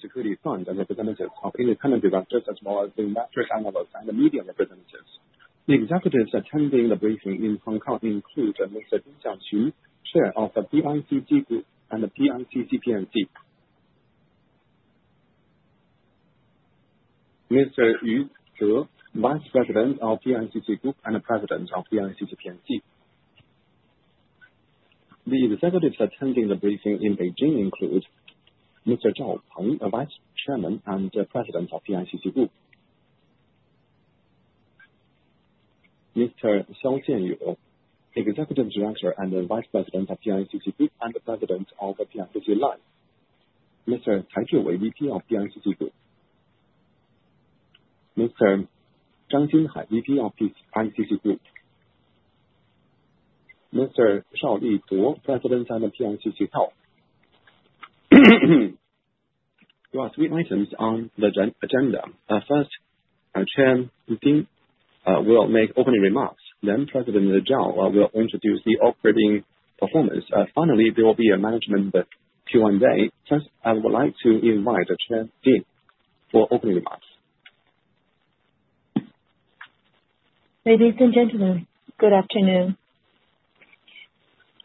Security firms and representatives of independent directors as well as the matrix analysts and the media representatives. The executives attending the briefing in Hong Kong include Mr. Ding Xiangqun, Chair of the PICC Group and PICC P&C. Mr. Yu Ze, Vice President of PICC Group and President of PICC P&C. The executives attending the briefing in Beijing include Mr. Zhao Peng, Vice Chairman and President of PICC Group. Mr. Xiao Jianyou, Executive Director and Vice President of PICC Group and President of PICC Life. Mr. Cai Zhiwei, Vice President of PICC Group. Mr. Zhang Jinhai, Vice President of PICC Group. Mr. Shao Li Duo, President of PICC Health. There are three items on the agenda. First, Chairman Ding will make opening remarks. President Zhao will introduce the operating performance. Finally, there will be a management Q&A. First, I would like to invite Chairman Ding for opening remarks. Ladies and gentlemen, good afternoon.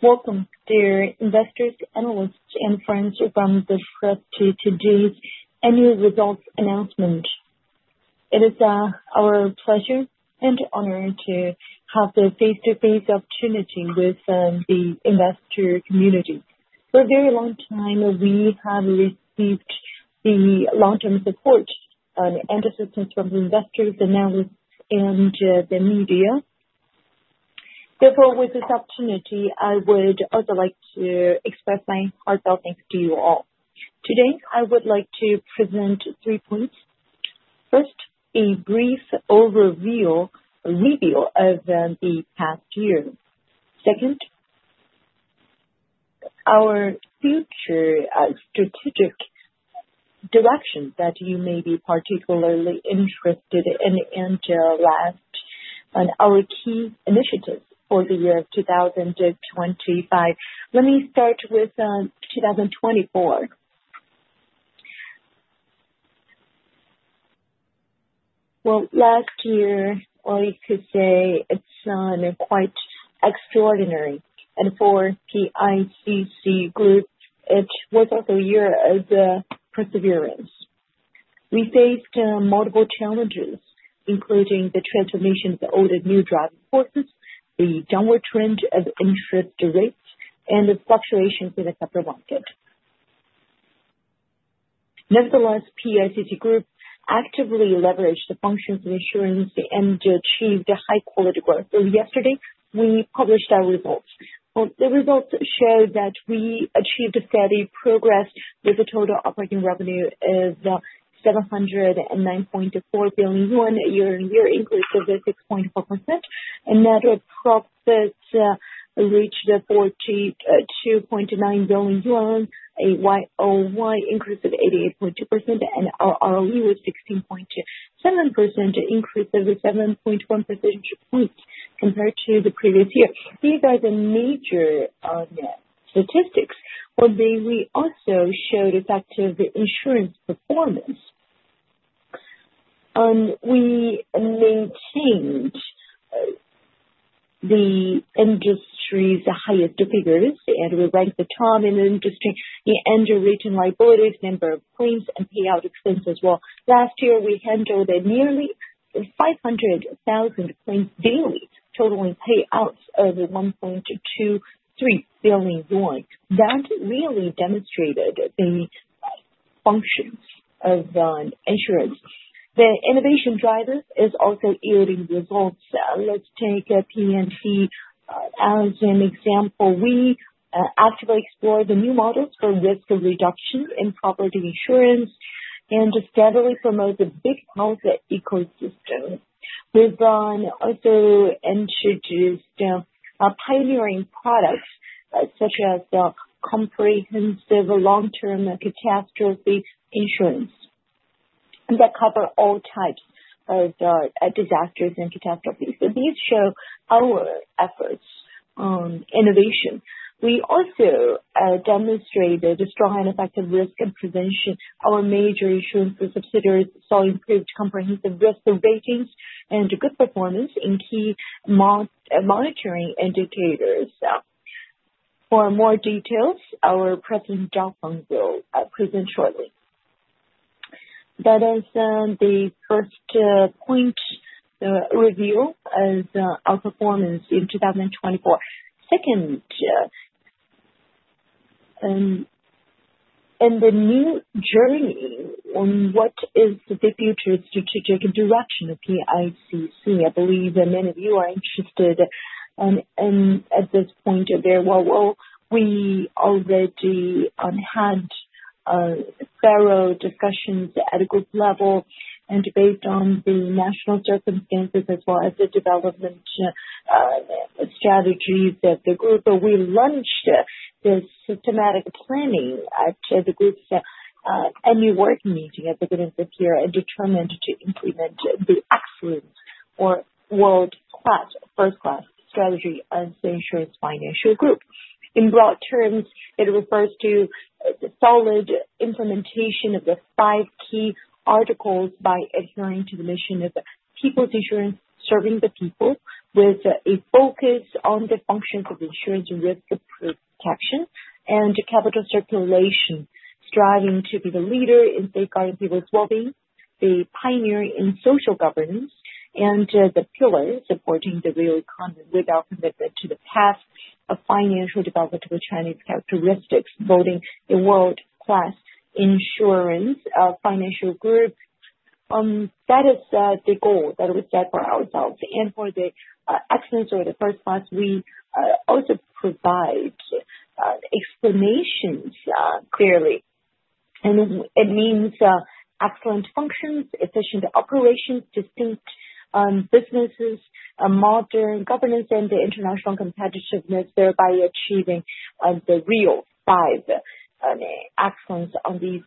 Welcome, dear investors, analysts, and friends from the press to today's annual results announcement. It is our pleasure and honor to have the face-to-face opportunity with the investor community. For a very long time, we have received the long-term support and assistance from investors, analysts, and the media. Therefore, with this opportunity, I would also like to express my heartfelt thanks to you all. Today, I would like to present three points. First, a brief overview of the past year. Second, our future strategic direction that you may be particularly interested in and our key initiatives for the year of 2025. Let me start with 2024. Last year, I could say it's quite extraordinary. For PICC Group, it was also a year of perseverance. We faced multiple challenges, including the transformation of old and new driving forces, the downward trend of interest rates, and the fluctuations in the capital market. Nevertheless, PICC Group actively leveraged the functions of insurance and achieved high-quality growth. Yesterday, we published our results. The results show that we achieved steady progress with a total operating revenue of 709.4 billion yuan, a year-on-year increase of 6.4%. Net profits reached 42.9 billion yuan, a YoY increase of 88.2%, and ROE was 16.7%, an increase of 7.1 percentage points compared to the previous year. These are the major statistics. We also showed effective insurance performance. We maintained the industry's highest figures, and we ranked the top in the industry, the end-of-region liabilities, number of claims, and payout expenses as well. Last year, we handled nearly 500,000 claims daily, totaling payouts of 1.23 billion yuan. That really demonstrated the functions of insurance. The innovation driver is also yielding results. Let's take P&C as an example. We actively explore the new models for risk reduction in property insurance and steadily promote the big health ecosystem. We have also introduced pioneering products such as comprehensive long-term catastrophe insurance that cover all types of disasters and catastrophes. These show our efforts on innovation. We also demonstrated strong and effective risk and prevention. Our major insurance subsidiaries saw improved comprehensive risk ratings and good performance in key monitoring indicators. For more details, our President, Zhao Peng, will present shortly. That is the first point reveal of performance in 2024. Second, in the new journey, what is the future strategic direction of PICC? I believe many of you are interested at this point. We already had thorough discussions at a group level and based on the national circumstances as well as the development strategies of the group. We launched this systematic planning at the group's annual working meeting at the beginning of this year and determined to implement the excellent world-class first-class strategy as the insurance financial group. In broad terms, it refers to solid implementation of the five key articles by adhering to the mission of people's insurance, serving the people with a focus on the functions of insurance risk protection and capital circulation, striving to be the leader in safeguarding people's well-being, the pioneer in social governance, and the pillars supporting the real economy without commitment to the path of financial development with Chinese characteristics, building a world-class insurance financial group. That is the goal that we set for ourselves. For the excellence or the first class, we also provide explanations clearly. It means excellent functions, efficient operations, distinct businesses, modern governance, and international competitiveness, thereby achieving the real five excellence on these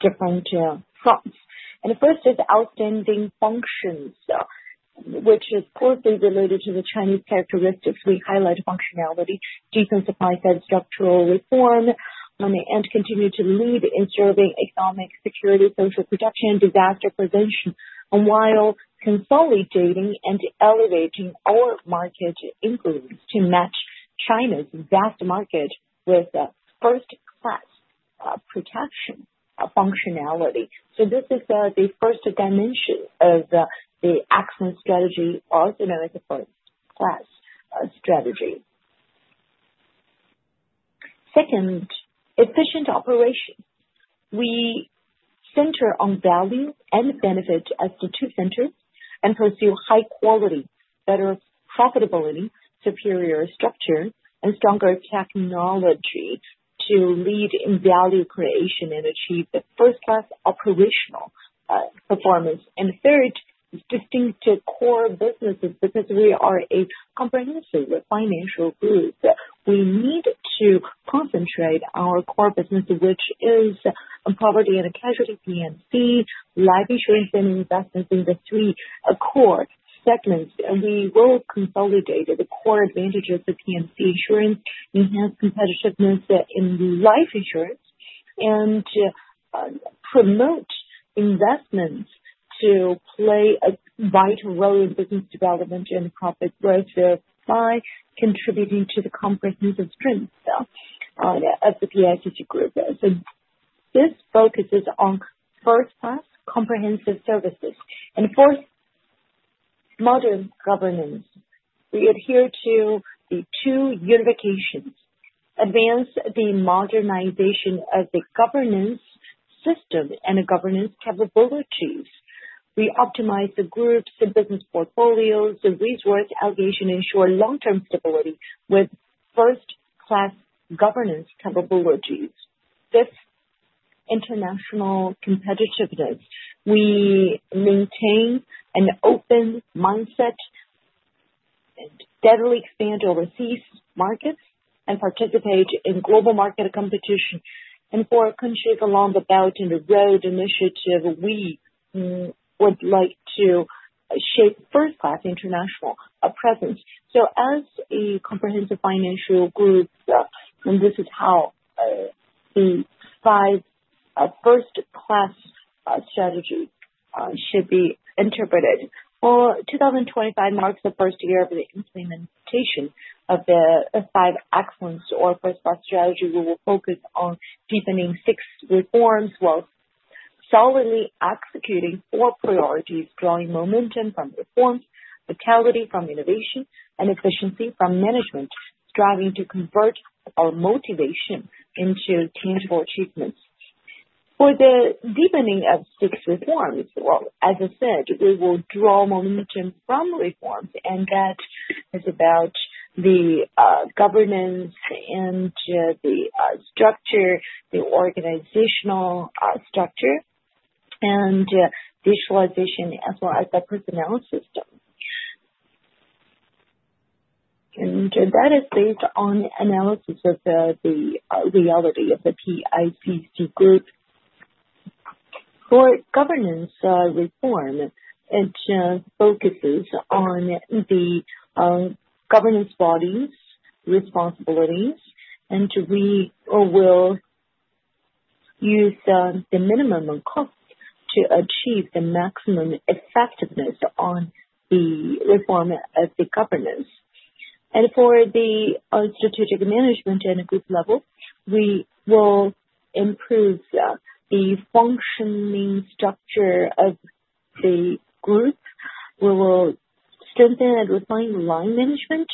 different fronts. The first is outstanding functions, which is closely related to the Chinese characteristics. We highlight functionality, decent supply-side structural reform, and continue to lead in serving economic security, social protection, and disaster prevention, while consolidating and elevating our market inquiries to match China's vast market with first-class protection functionality. This is the first dimension of the excellence strategy or the first-class strategy. Second, efficient operation. We center on value and benefit as the two centers and pursue high quality, better profitability, superior structure, and stronger technology to lead in value creation and achieve the first-class operational performance. Third, distinct core businesses because we are a comprehensive financial group. We need to concentrate our core business, which is property and casualty P&C, life insurance, and investments in the three core segments. We will consolidate the core advantages of P&C insurance, enhance competitiveness in life insurance, and promote investments to play a vital role in business development and profit growth by contributing to the comprehensive strengths of the PICC Group. This focus is on first-class comprehensive services. Fourth, modern governance. We adhere to the two unifications, advance the modernization of the governance system and governance capabilities. We optimize the group's business portfolios, resource allocation, and ensure long-term stability with first-class governance capabilities. Fifth, international competitiveness. We maintain an open mindset and steadily expand overseas markets and participate in global market competition. For countries along the Belt and the Road Initiative, we would like to shape first-class international presence. As a comprehensive financial group, this is how the five first-class strategies should be interpreted. 2025 marks the first year of the implementation of the five excellence or first-class strategy. We will focus on deepening six reforms while solidly executing four priorities, drawing momentum from reforms, vitality from innovation, and efficiency from management, striving to convert our motivation into tangible achievements. For the deepening of six reforms, as I said, we will draw momentum from reforms. That is about the governance and the organizational structure and visualization as well as the personnel system. That is based on analysis of the reality of the PICC Group. For governance reform, it focuses on the governance body's responsibilities, and we will use the minimum cost to achieve the maximum effectiveness on the reform of the governance. For the strategic management and group level, we will improve the functioning structure of the group. We will strengthen and refine line management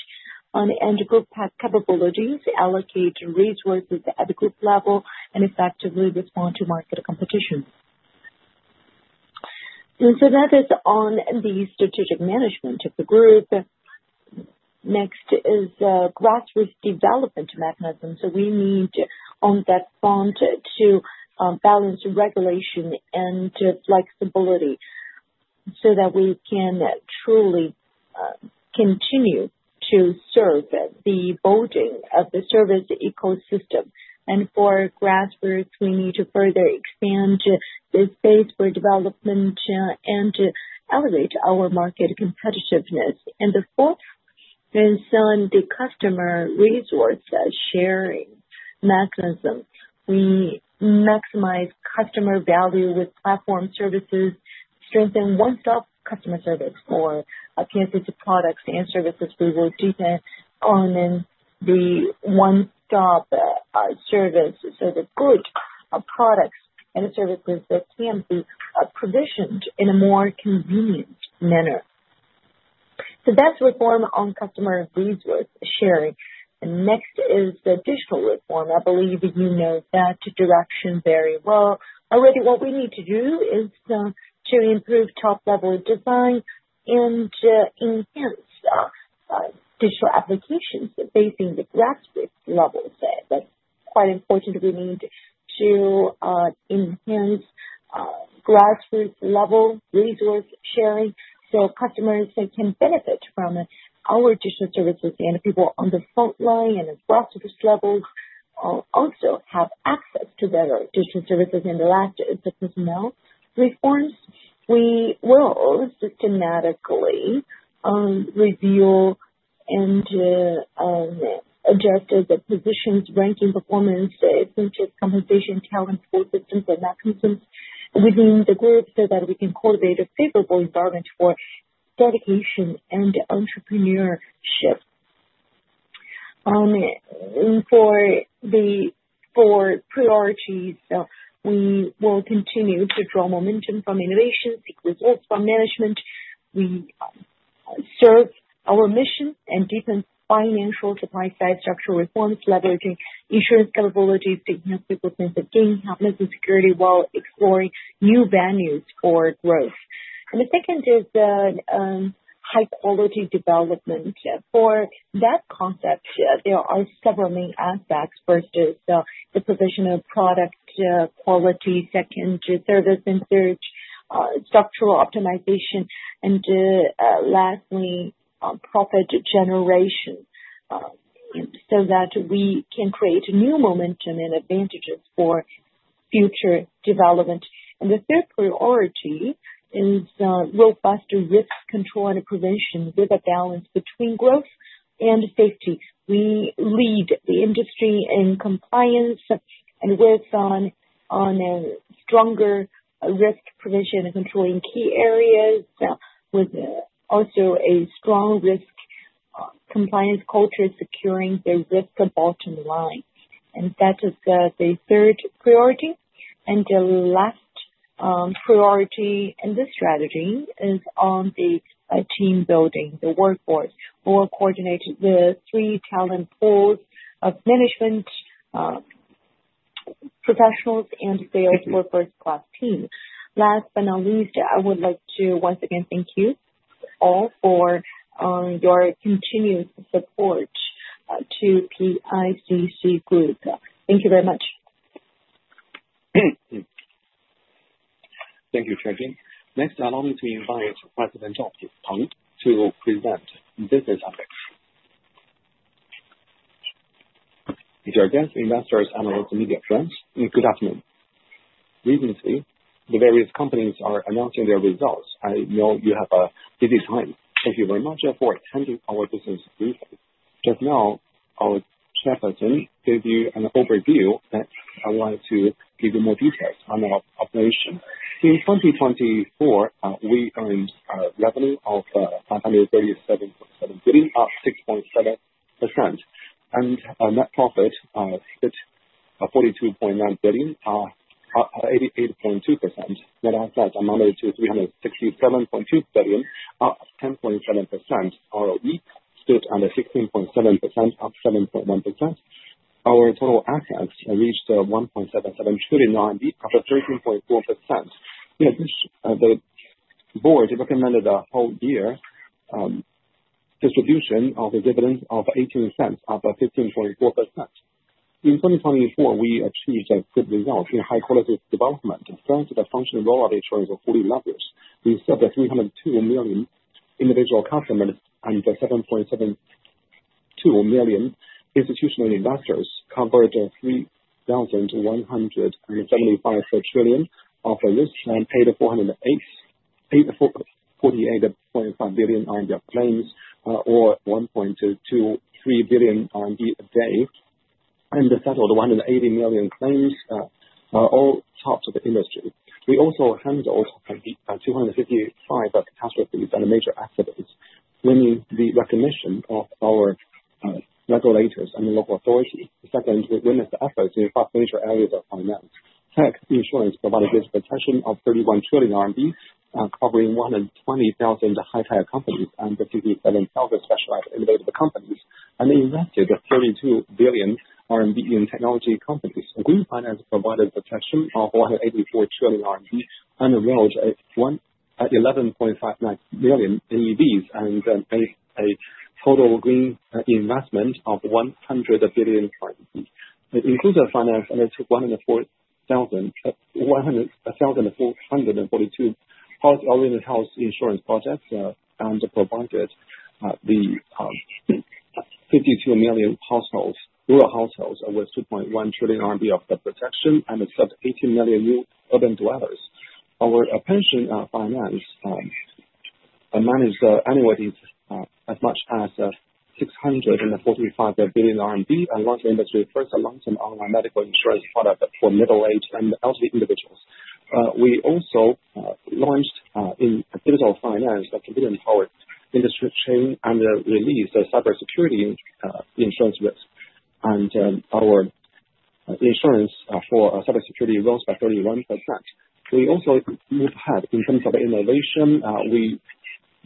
and group capabilities, allocate resources at the group level, and effectively respond to market competition. That is on the strategic management of the group. Next is grassroots development mechanisms. We need on that front to balance regulation and flexibility so that we can truly continue to serve the building of the service ecosystem. For grassroots, we need to further expand the space for development and elevate our market competitiveness. The fourth is on the customer resource sharing mechanism. We maximize customer value with platform services, strengthen one-stop customer service for PICC products and services. We will deepen the one-stop service so the good products and services that can be provisioned in a more convenient manner. That's reform on customer resource sharing. Next is the digital reform. I believe you know that direction very well. Already, what we need to do is to improve top-level design and enhance digital applications facing the grassroots level. That's quite important. We need to enhance grassroots level resource sharing so customers can benefit from our digital services. People on the front line and across the levels also have access to better digital services. The last is the personnel reforms. We will systematically review and adjust the positions, ranking, performance, income position, talent pool systems, and mechanisms within the group so that we can cultivate a favorable environment for dedication and entrepreneurship. For priorities, we will continue to draw momentum from innovation, seek results from management. We serve our mission and deepen financial supply-side structure reforms, leveraging insurance capabilities, deepening people's sense of gain, happiness, and security while exploring new venues for growth. The second is high-quality development. For that concept, there are several main aspects versus the provision of product quality, second service insurance, structural optimization, and lastly, profit generation so that we can create new momentum and advantages for future development. The third priority is robust risk control and prevention with a balance between growth and safety. We lead the industry in compliance and with stronger risk prevention and controlling key areas with also a strong risk compliance culture securing the risk bottom line. That is the third priority. The last priority in this strategy is on the team building, the workforce. We will coordinate the three talent pools of management professionals and sales for first-class teams. Last but not least, I would like to once again thank you all for your continued support to PICC Group. Thank you very much. Thank you, Chair Ding. Next, allow me to invite President Zhao Peng to present business ethics. Dear guests, investors, analysts, and media friends, good afternoon. Recently, the various companies are announcing their results. I know you have a busy time. Thank you very much for attending our business briefing. Just now, our chairperson gave you an overview that I wanted to give you more details on our operation. In 2024, we earned revenue of 537.7 billion, up 6.7%. Net profit of 42.9 billion, up 88.2%. Net assets amounted to 367.2 billion, up 10.7%. Our ROE stood at 16.7%, up 7.1%. Our total assets reached 1.77 trillion RMB, up 13.4%. The board recommended a whole year distribution of a dividend of 0.18, up 15.4%. In 2024, we achieved good results in high-quality development. First, the functional role of insurance for 40 levers. We served 302 million individual customers and 7.72 million institutional investors, covered 3,175 trillion of risk, and paid 448.5 billion of claims or 1.23 billion a day, and settled 180 million claims, all tops of the industry. We also handled 255 catastrophes and major accidents, winning the recognition of our regulators and local authorities. Second, we witnessed efforts in five major areas of finance. Tech insurance provided this protection of 31 trillion RMB, covering 120,000 high-tech companies and 57 self-specialized innovative companies, and invested 32 billion RMB in technology companies. Green finance provided protection of 184 trillion RMB and wields 11.59 million EVs and made a total green investment of 100 billion RMB. It included finance and it took 1,442 health-oriented health insurance projects and provided the 52 million rural households with 2.1 trillion RMB of the protection and it served 18 million new urban dwellers. Our pension finance managed annuities as much as 645 billion RMB and launched industry-first long-term online medical insurance product for middle-aged and elderly individuals. We also launched in digital finance a computing-powered industry chain and released cybersecurity insurance risk. Our insurance for cybersecurity rose by 31%. We also moved ahead in terms of innovation. We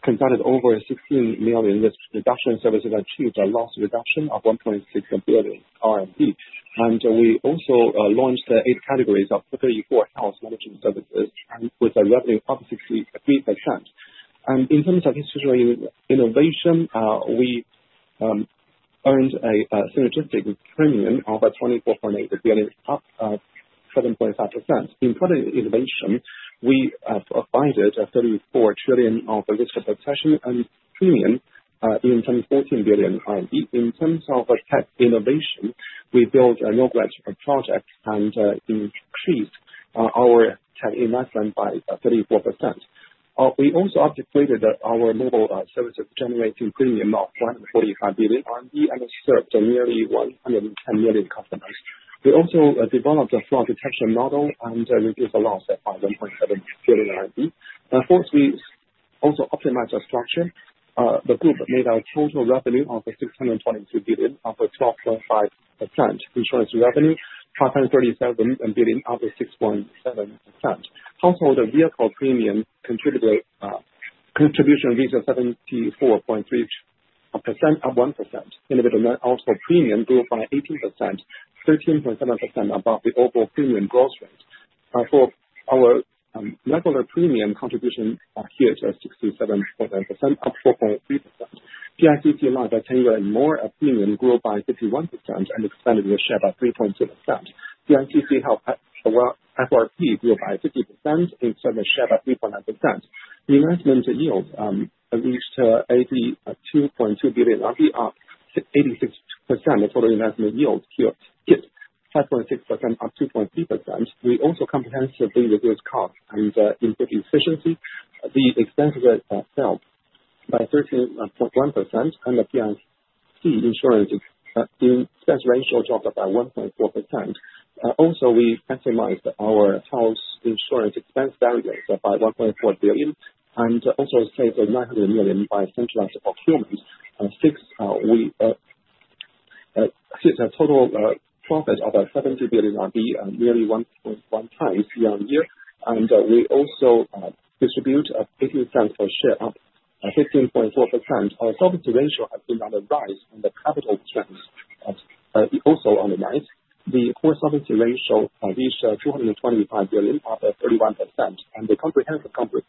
conducted over 16 million risk reduction services and achieved a loss reduction of 1.6 billion RMB. We also launched eight categories of 34 health management services with a revenue of 63%. In terms of institutional innovation, we earned a synergistic premium of 24.8 billion, up 7.5%. In product innovation, we provided 34 trillion of risk protection and premium in 14 billion RMB. In terms of tech innovation, we built a new project and increased our tech investment by 34%. We also upgraded our mobile service generating premium of 145 billion and served nearly 110 million customers. We also developed a fraud detection model and reduced the loss by 1.7 trillion RMB. Of course, we also optimized our structure. The group made our total revenue of 622 billion of 12.5%. Insurance revenue, 537 billion of 6.7%. Household vehicle premium contribution reached 74.3%, up 1%. Individual household premium grew by 18%, 13.7% above the overall premium growth rate. For our regular premium contribution here to 67.9%, up 4.3%. PICC Life at 10 year and more premium grew by 51% and expanded the share by 3.2%. PICC FRP grew by 50% and share by 3.9%. Investment yield reached 82.2 billion, up 86%. Total investment yield hit 5.6%, up 2.3%. We also comprehensively reduced costs and improved efficiency. The expenses fell by 13.1%, and PICC insurance expense ratio dropped by 1.4%. We maximized our health insurance expense barriers by 1.4 billion and also saved 900 million by centralized procurement. We hit a total profit of RMB 70 billion, nearly 1.1x year on year. We also distributed 0.18 per share, up 15.4%. Our solvency ratio has been on the rise and the capital trends also on the rise. The core solvency ratio reached 225%, up 31%. The comprehensive company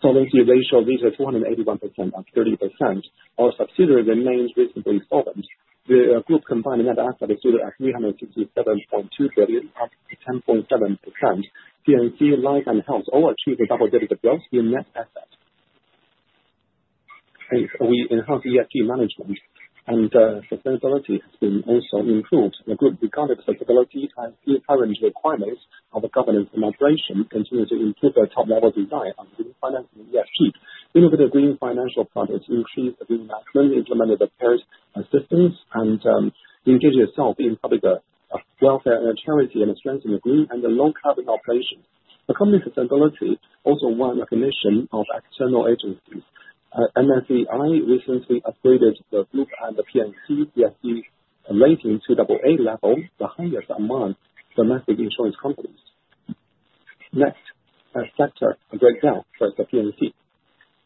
solvency ratio reached 281%, up 30%. Our subsidiary remains reasonably solvent. The group combined net assets is 367.2 billion, up 10.7%. PICC Life and Health all achieved a double-digit growth in net assets. We enhanced ESG management, and sustainability has been also improved. The group regarded sustainability as the current requirements of governance and operation continue to improve the top-level design of green finance and ESG. Innovative green financial products increased green management, implemented the PERT systems, and engaged itself in public welfare and charity and strengthened green and low-carbon operations. The company's sustainability also won recognition of external agencies. MSCI recently upgraded the group and PICC rating to AAA level, the highest among domestic insurance companies. Next, a sector breakdown for the PICC.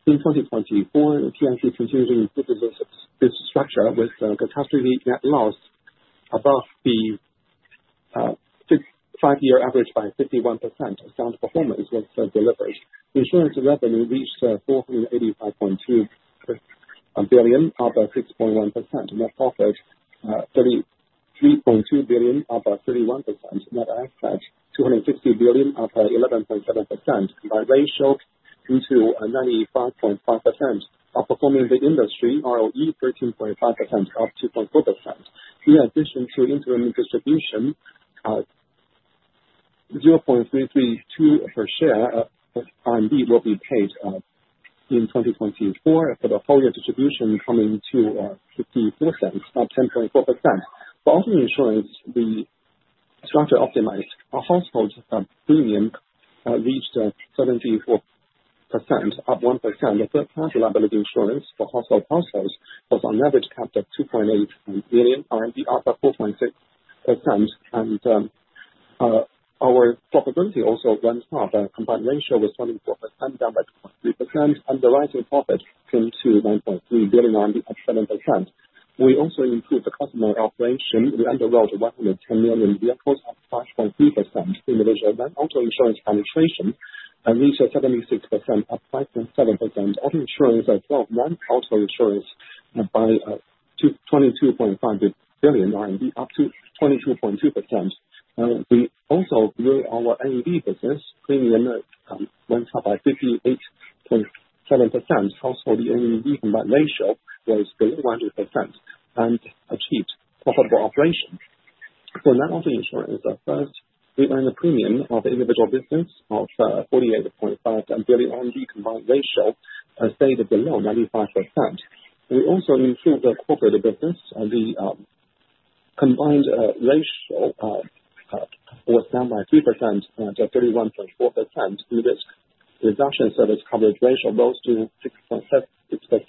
In 2024, PICC continues to improve its structure with catastrophe net loss above the five-year average by 51%. Sound performance was delivered. Insurance revenue reached 485.2 billion, up 6.1%. Net profit 33.2 billion, up 31%. Net assets 260 billion, up 11.7%. By ratio into 95.5% of performing the industry, ROE 13.5%, up 2.4%. In addition to interim distribution, 0.332 per share will be paid in 2024 for the whole year distribution coming to 0.54, up 10.4%. For auto insurance, the structure optimized. Household premium reached 74%, up 1%. Third-class liability insurance for household households was on average capped at 2.8 million RMB, up 4.6%. Our profitability also went up. Combined ratio was 24%, down by 2.3%. Underwriting profit came to 9.3 billion, up 7%. We also improved the customer operation. We underwrote 110 million vehicles, up 5.3%. Individual auto insurance penetration reached 76%, up 5.7%. Auto insurance above non-auto insurance by RMB 22.5 billion, up 22.2%. We also grew our NEV business. Premium went up by 58.7%. Household NEV combined ratio was below 100% and achieved profitable operation. For non-auto insurance, first, we earned a premium of individual business of 48.5 billion. Combined ratio stayed below 95%. We also improved the corporate business. The combined ratio was down by 3% to 31.4%. Risk reduction service coverage ratio rose to 6.6%.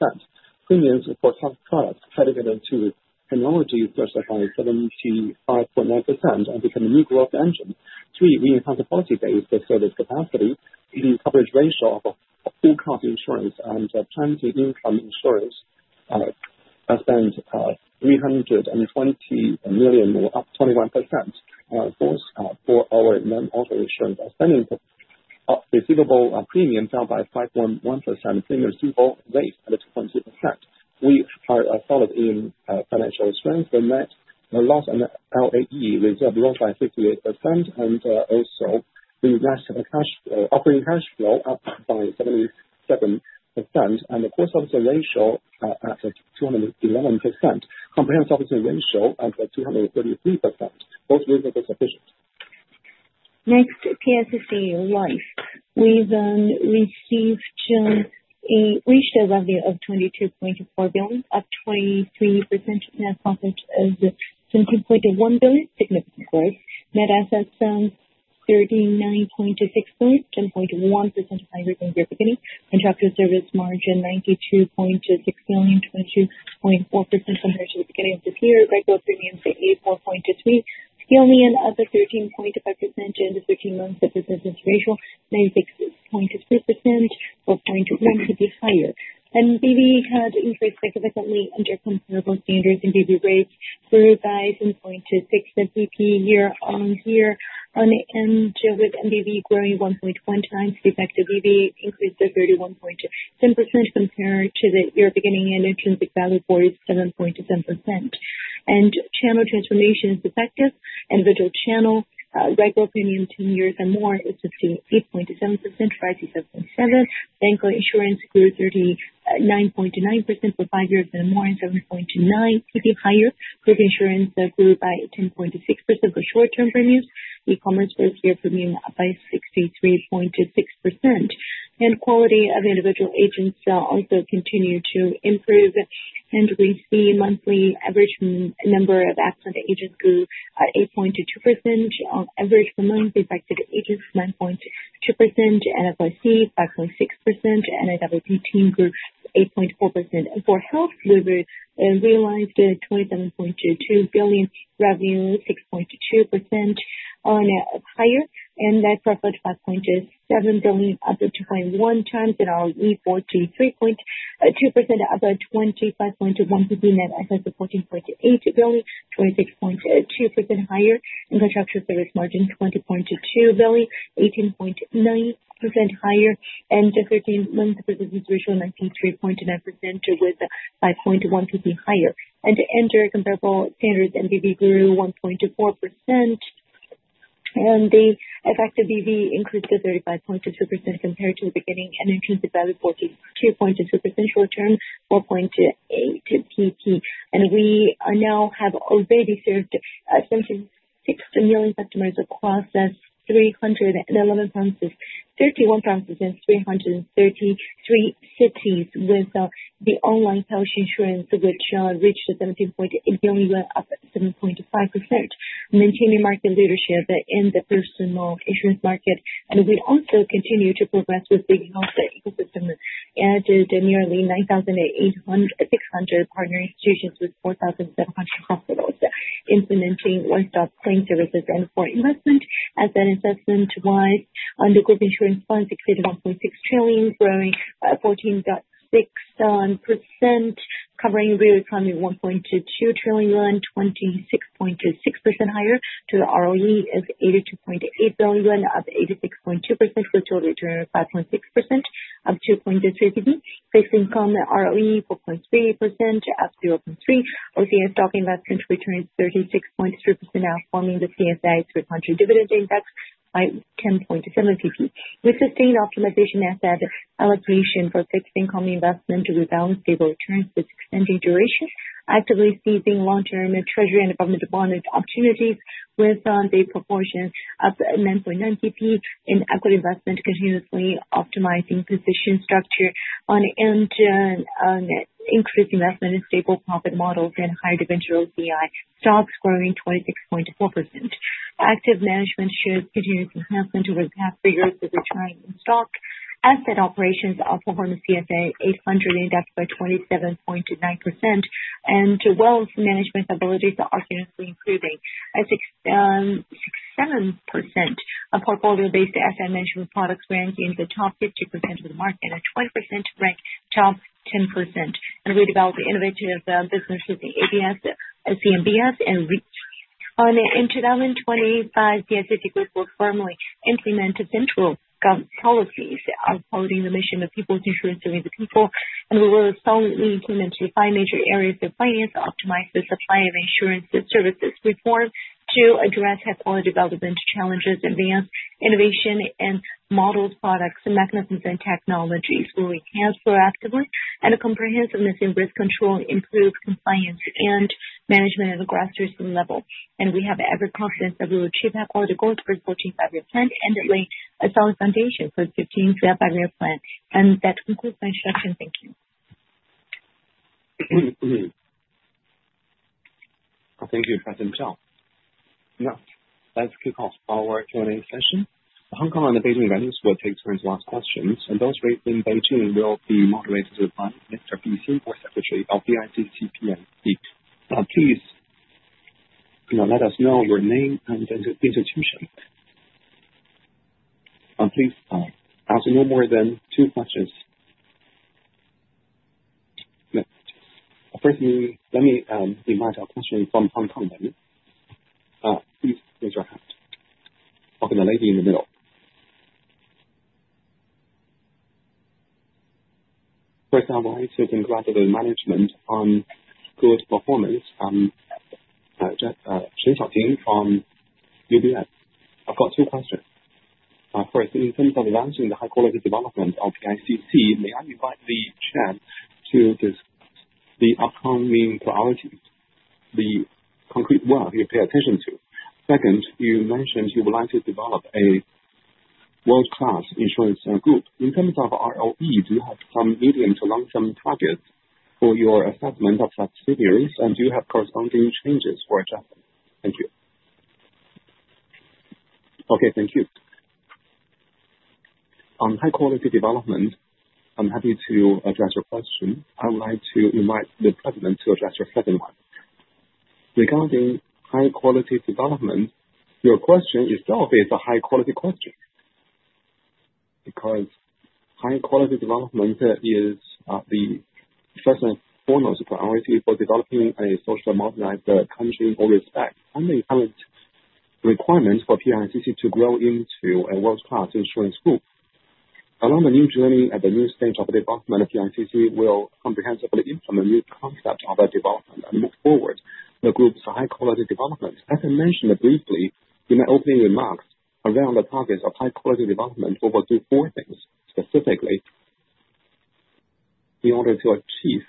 Premiums for some products headed into technology surge by 75.9% and became a new growth engine. Three, we enhanced the quality-based service capacity. The coverage ratio of full-cost insurance and planned income insurance spent 320 million, up 21%. Of course, for our non-auto insurance spending, receivable premium fell by 5.1%. Premium receivable rate at 2.2%. We followed in financial strength. The net loss and LAE reserve rose by 58%. We matched the operating cash flow, up by 77%. The cost of the ratio at 211%. Comprehensive operating ratio at 233%. Both reasons are sufficient. Next, PICC Life. We then reached a revenue of 22.4 billion, up 23%. Net profit is 17.1 billion, significant growth. Net assets 39.6 billion, 10.1% higher than year beginning. Contractor service margin 92.6 billion, 22.4% compared to the beginning of this year. Regular premiums at 84.3 billion at 13.5% and 13 months of business ratio, 96.3%, 4.1%, could be higher. NBV had increased significantly under comparable standards and BB rates grew by 10.6% year on year. With NBV growing 1.1x, the effective BB increased to 31.7% compared to the year beginning and intrinsic value for 7.7%. Channel transformation is effective. Individual channel, regular premium 10 years and more is 58.7%, rising 7.7%. Bank insurance grew 39.9% for five years and more and 7.9%, could be higher. Group insurance grew by 10.6% for short-term premiums. E-commerce first-year premium by 63.6%. Quality of individual agents also continued to improve. We see monthly average number of excellent agents grew at 8.2%. Average per month effective agents 9.2%, NFIC 5.6%, and NFIP team grew 8.4%. For health, we realized 27.2 billion, revenue 6.2% higher. Net profit 5.7 billion, up 2.1x. ROE 43.2%, up 25.1%. Net assets 14.8 billion, 26.2% higher. Contractor service margin 20.2 billion, 18.9% higher. Thirteen months of business ratio 93.9%, with 5.1% higher. Under comparable standards, NBV grew 1.4%. The effective BB increased to 35.2% compared to the beginning. Intrinsic value RMB 42.2 billion short-term, 4.8 percentage points. We now have already served 76 million customers across 31 provinces and 333 cities with the online health insurance, which reached 17.8 billion, up 7.5%. Maintaining market leadership in the personal insurance market. We also continue to progress with the health ecosystem. Added nearly 9,600 partner institutions with 4,700 hospitals. Implementing one-stop claim services. For investment, asset assessment wise, under group insurance funds, exceeded 1.6 trillion, growing 14.6%. Covering re-recovery 1.22 trillion yuan, 26.6% higher to the ROE of 82.8 billion yuan, up 86.2%. With total return of 5.6%, up 2.3 percentage points. Fixed income ROE 4.3%, up 0.3%. OCS stock investment returned 36.3%, outperforming the CSI 300 dividend index by 10.7 percentage points. We sustained optimization asset allocation for fixed income investment to rebalance stable returns with extending duration. Actively seizing long-term treasury and government bond opportunities with the proportion of 9.9 percentage points in equity investment, continuously optimizing position structure and increasing investment in stable profit models and higher-dividend yield VI stocks, growing 26.4%. Active management shows continuous enhancement over the past three years with returns in stock. Asset operations outperformed CSI 800 index by 27.9%. Wealth management abilities are continuously improving. At 67%, portfolio-based asset management products rank in the top 50% of the market and 20% rank top 10%. We developed innovative business with the ABS, CMBS, and. In 2025, PICC Group will firmly implement central policies, upholding the mission of people's insurance serving the people. We will solidly implement defined major areas of finance, optimize the supply of insurance services reform to address high-quality development challenges, advance innovation and model products, mechanisms, and technologies where we can proactively. A comprehensiveness in risk control, improved compliance, and management at a grassroots level. We have every confidence that we will achieve high-quality goals for the 14-five-year plan and lay a solid foundation for the 15-five-year plan. That concludes my introduction. Thank you. Thank you, President Zhao. That's a good call. I'll work to an end session. The Hong Kong and the Beijing venues will take turns to ask questions. Those raised in Beijing will be moderated by Mr. PC or Secretary of PICC P&C. Please let us know your name and institution. Please ask no more than two questions. First, let me invite a question from Hong Kong. Please raise your hand. The lady in the middle. First, I would like to congratulate management on good performance. Shen Xiaoting from UBS. I've got two questions. First, in terms of advancing the high-quality development of PICC, may I invite the Chair to discuss the upcoming priorities, the concrete work you pay attention to? Second, you mentioned you would like to develop a world-class insurance group. In terms of ROE, do you have some medium to long-term targets for your assessment of subsidiaries? Do you have corresponding changes for adjustment? Thank you. Thank you. On high-quality development, I'm happy to address your question. I would like to invite the President to address your second one. Regarding high-quality development, your question itself is a high-quality question because high-quality development is the first and foremost priority for developing a social modernized country or respect under the current requirements for PICC to grow into a world-class insurance group. Along the new journey at the new stage of development, PICC will comprehensively implement new concepts of development and move forward the group's high-quality development. As I mentioned briefly in my opening remarks around the targets of high-quality development, we will do four things specifically in order to achieve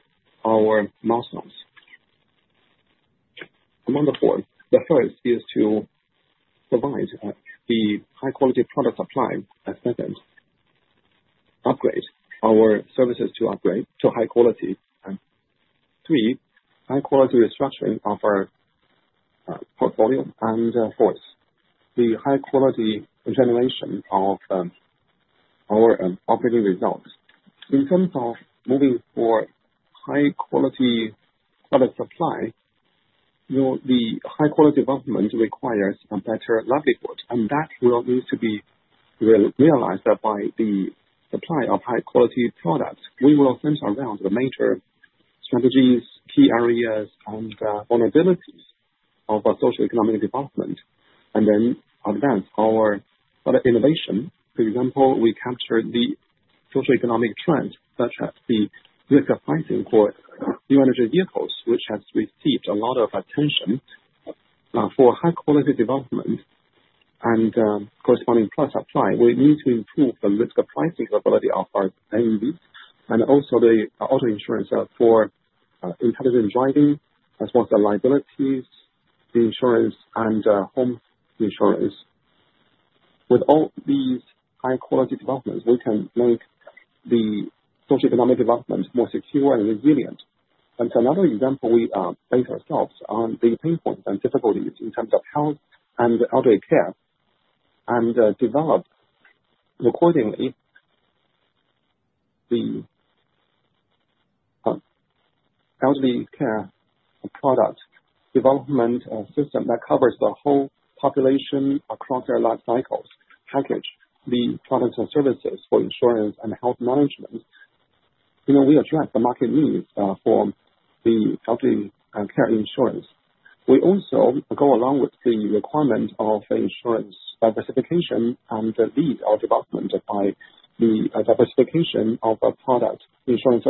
our milestones. Among the four, the first is to provide the high-quality product supply. Second, upgrade our services to upgrade to high quality. Three, high-quality restructuring of our portfolio. Fourth, the high-quality generation of our operating results. In terms of moving for high-quality product supply, the high-quality development requires a better livelihood. That will need to be realized by the supply of high-quality products. We will center around the major strategies, key areas, and vulnerabilities of social economic development. We will advance our innovation. For example, we captured the social economic trend such as the risk of pricing for new energy vehicles, which has received a lot of attention for high-quality development and corresponding plus apply. We need to improve the risk of pricing capability of our NEVs and also the auto insurance for intelligent driving as well as the liabilities, the insurance, and home insurance. With all these high-quality developments, we can make the social economic development more secure and resilient. Another example, we base ourselves on the pain points and difficulties in terms of health and elderly care and develop accordingly the elderly care product development system that covers the whole population across their life cycles. Package the products and services for insurance and health management. We address the market needs for the elderly care insurance. We also go along with the requirement of insurance diversification and lead our development by the diversification of product insurance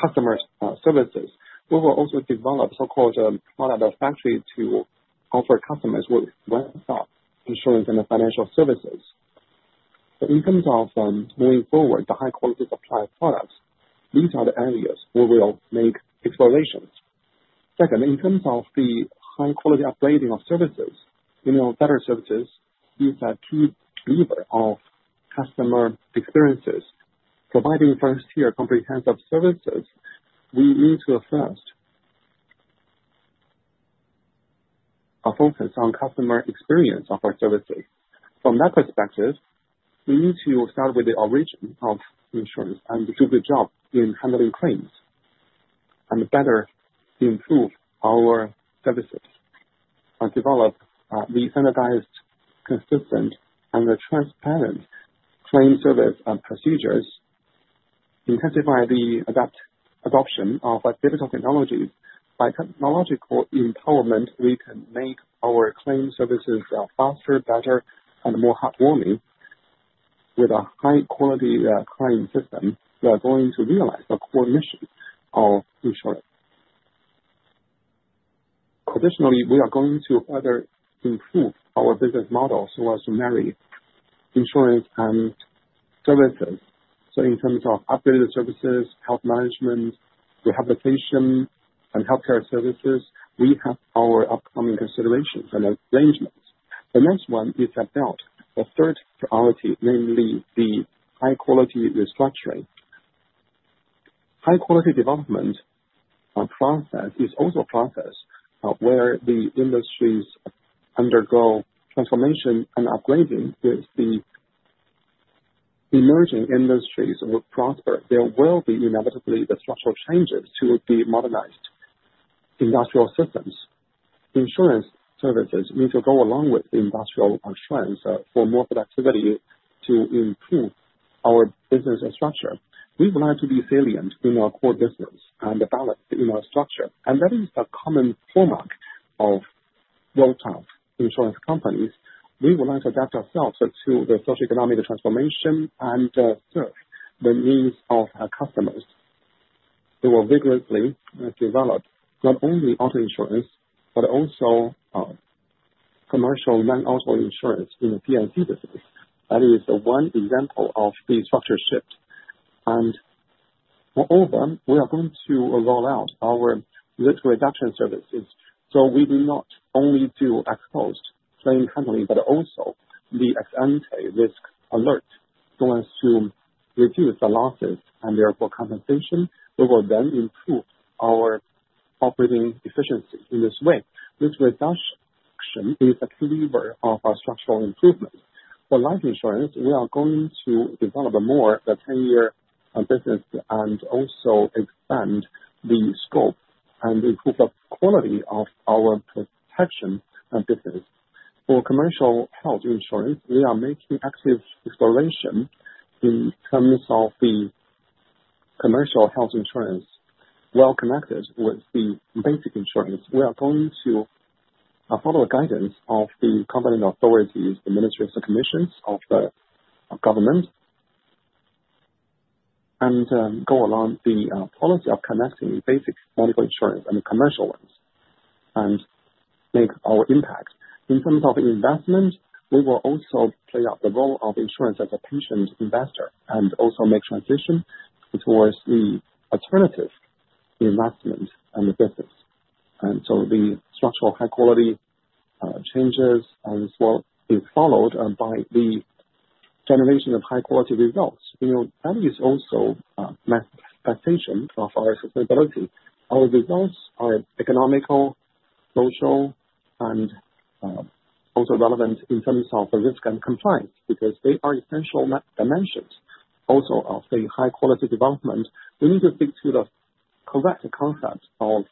customer services. We will also develop so-called product factories to offer customers with one-stop insurance and financial services. In terms of moving forward, the high-quality supply products, these are the areas where we'll make explorations. Second, in terms of the high-quality upgrading of services, better services is a true lever of customer experiences. Providing first-tier comprehensive services, we need to first focus on customer experience of our services. From that perspective, we need to start with the origin of insurance and do a good job in handling claims and better improve our services. Develop the standardized, consistent, and transparent claim service procedures. Intensify the adoption of digital technologies. By technological empowerment, we can make our claim services faster, better, and more heartwarming with a high-quality claim system. We are going to realize the core mission of insurance. Additionally, we are going to further improve our business model so as to marry insurance and services. In terms of upgraded services, health management, rehabilitation, and healthcare services, we have our upcoming considerations and arrangements. The next one is about the third priority, namely the high-quality restructuring. High-quality development process is also a process where the industries undergo transformation and upgrading. With the emerging industries will prosper, there will be inevitably the structural changes to the modernized industrial systems. Insurance services need to go along with the industrial trends for more productivity to improve our business structure. We would like to be salient in our core business and balanced in our structure. That is the common hallmark of world-class insurance companies. We would like to adapt ourselves to the social economic transformation and serve the needs of our customers. We will vigorously develop not only auto insurance but also commercial non-auto insurance in the PNC business. That is one example of the structure shift. Moreover, we are going to roll out our risk reduction services. We do not only do exposed claim handling but also the ex ante risk alert so as to reduce the losses and therefore compensation. We will then improve our operating efficiency in this way. This reduction is a key lever of our structural improvement. For life insurance, we are going to develop more the 10-year business and also expand the scope and improve the quality of our protection business. For commercial health insurance, we are making active exploration in terms of the commercial health insurance well connected with the basic insurance. We are going to follow guidance of the competent authorities, the ministries and commissions of the government, and go along the policy of connecting basic medical insurance and commercial ones and make our impact. In terms of investment, we will also play out the role of insurance as a patient investor and also make transition towards the alternative investment and the business. The structural high-quality changes will be followed by the generation of high-quality results. That is also the foundation of our sustainability. Our results are economical, social, and also relevant in terms of risk and compliance because they are essential dimensions also of the high-quality development. We need to stick to the correct concept of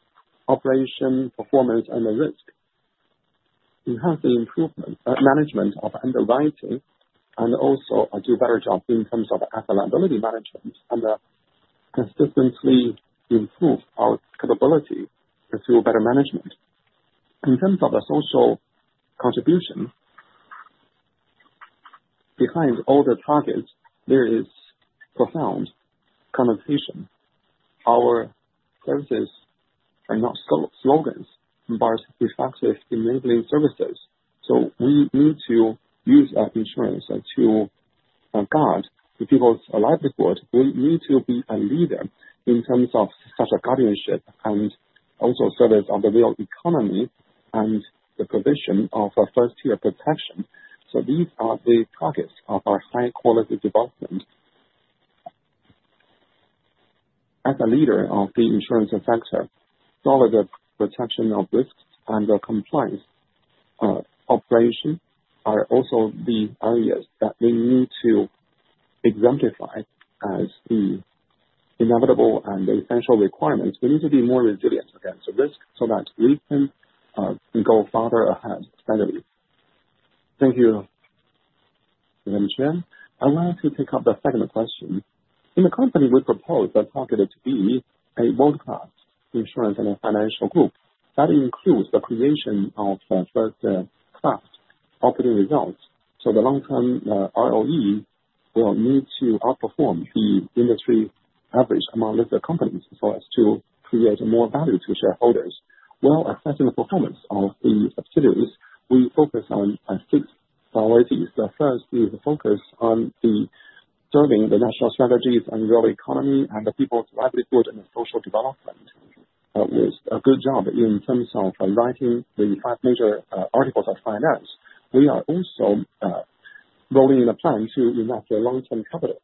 operation, performance, and the risk. Enhance the improvement management of underwriting and also do a better job in terms of asset liability management and consistently improve our capability through better management. In terms of the social contribution behind all the targets, there is profound connotation. Our services are not slogans but effective enabling services. We need to use insurance to guard people's livelihood. We need to be a leader in terms of such a guardianship and also service of the real economy and the provision of first-tier protection. These are the targets of our high-quality development. As a leader of the insurance sector, solid protection of risks and compliance operations are also the areas that we need to exemplify as the inevitable and essential requirements. We need to be more resilient against risk so that we can go farther ahead steadily. Thank you, Mr. Chen. I want to take up the second question. In the company, we propose the target to be a world-class insurance and financial group. That includes the creation of first-class operating results. The long-term ROE will need to outperform the industry average among listed companies so as to create more value to shareholders. While assessing the performance of the subsidiaries, we focus on six priorities. The first is the focus on serving the national strategies and real economy and the people's livelihood and social development. We did a good job in terms of writing the five major articles of finance. We are also rolling in a plan to invest the long-term capital.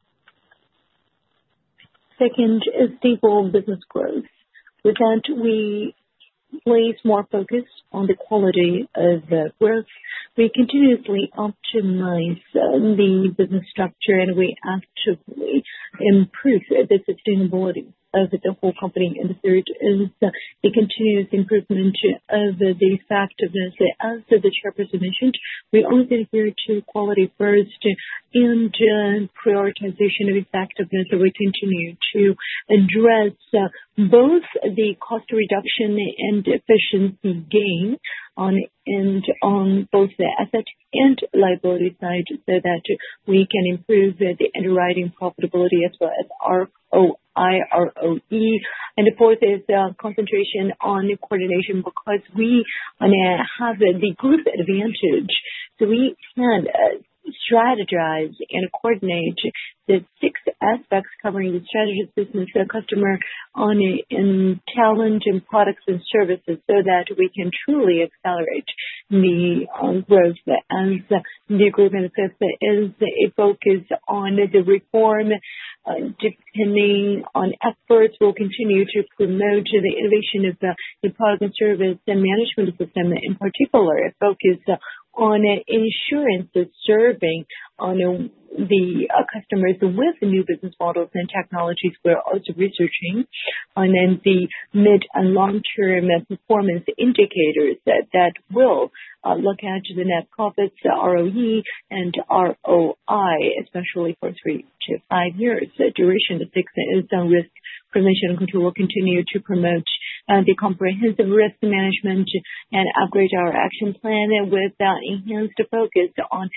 Second is stable business growth. With that, we place more focus on the quality of the. Where we continuously optimize the business structure and we actively improve the sustainability of the whole company. Third is the continuous improvement of the effectiveness. As the Chairperson mentioned, we always adhere to quality first and prioritization of effectiveness. We continue to address both the cost reduction and efficiency gain on both the asset and liability side so that we can improve the underwriting profitability as well as ROI, ROE. The fourth is concentration on coordination because we have the group advantage. We can strategize and coordinate the six aspects covering the strategy system for the customer on challenge and products and services so that we can truly accelerate the growth. The group benefits is a focus on the reform. Depending on efforts, we will continue to promote the innovation of the product and service and management system. In particular, a focus on insurance serving the customers with new business models and technologies we are also researching. Then the mid and long-term performance indicators that will look at the net profits, ROE, and ROI, especially for three to five years. The duration of six is risk prevention and control will continue to promote the comprehensive risk management and upgrade our action plan with enhanced focus on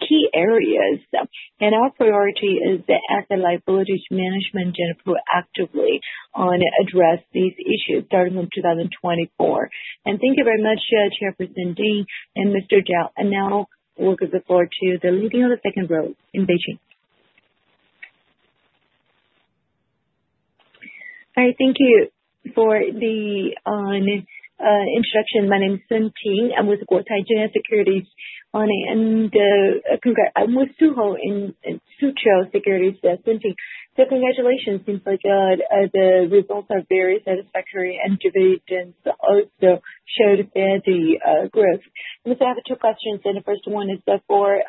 key areas. Our priority is asset liability management and proactively address these issues starting from 2024. Thank you very much, Chairperson Ding and Mr. Zhao. Now we'll give the floor to the leading of the second row in Beijing. All right. Thank you for the introduction. My name is Sun Ting. I'm with Guotai Junan Securities. I'm with Suho in Suzhou Securities. Sun Ting, so congratulations. Seems like the results are very satisfactory and dividends also showed the growth. I have two questions. The first one is for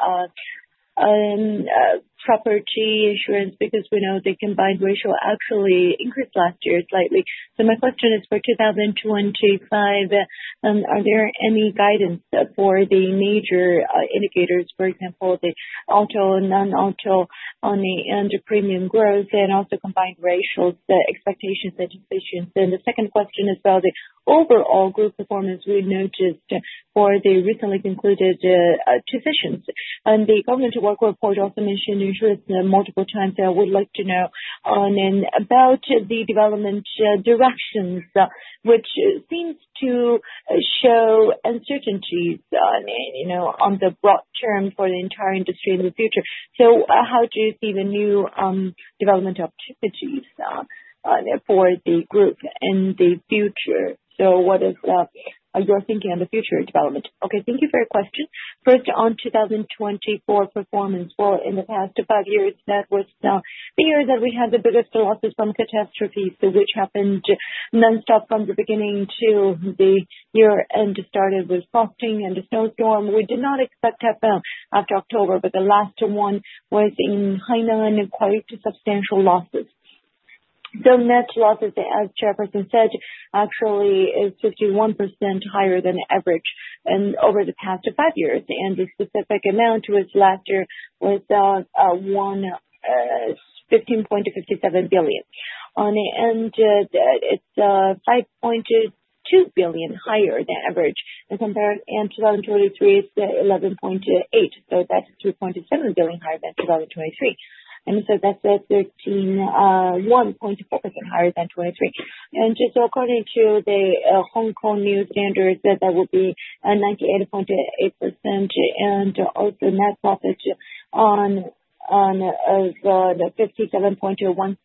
property insurance because we know the combined ratio actually increased last year slightly. My question is for 2025, are there any guidance for the major indicators, for example, the auto, non-auto on the premium growth, and also combined ratios, expectations, and decisions? The second question is about the overall group performance. We noticed for the recently concluded decisions, and the government work report also mentioned insurance multiple times. I would like to know about the development directions, which seems to show uncertainties on the broad term for the entire industry in the future. How do you see the new development opportunities for the group in the future? What is your thinking on the future development? Okay. Thank you for your question. First, on 2024 performance, in the past five years, that was the year that we had the biggest losses from catastrophes, which happened nonstop from the beginning to the year end, started with frosting and a snowstorm. We did not expect that after October, but the last one was in Hainan and quite substantial losses. Net losses, as Chairperson said, actually is 51% higher than average over the past five years. The specific amount was last year was 115.57 billion. It is 5.2 billion higher than average. Compared in 2023, it is 111.8 billion. That is RMB 3.7 billion higher than 2023. That is 13.4% higher than 2023. Just according to the Hong Kong new standards, that will be 98.8%. Also net profit on the 57.13 billion.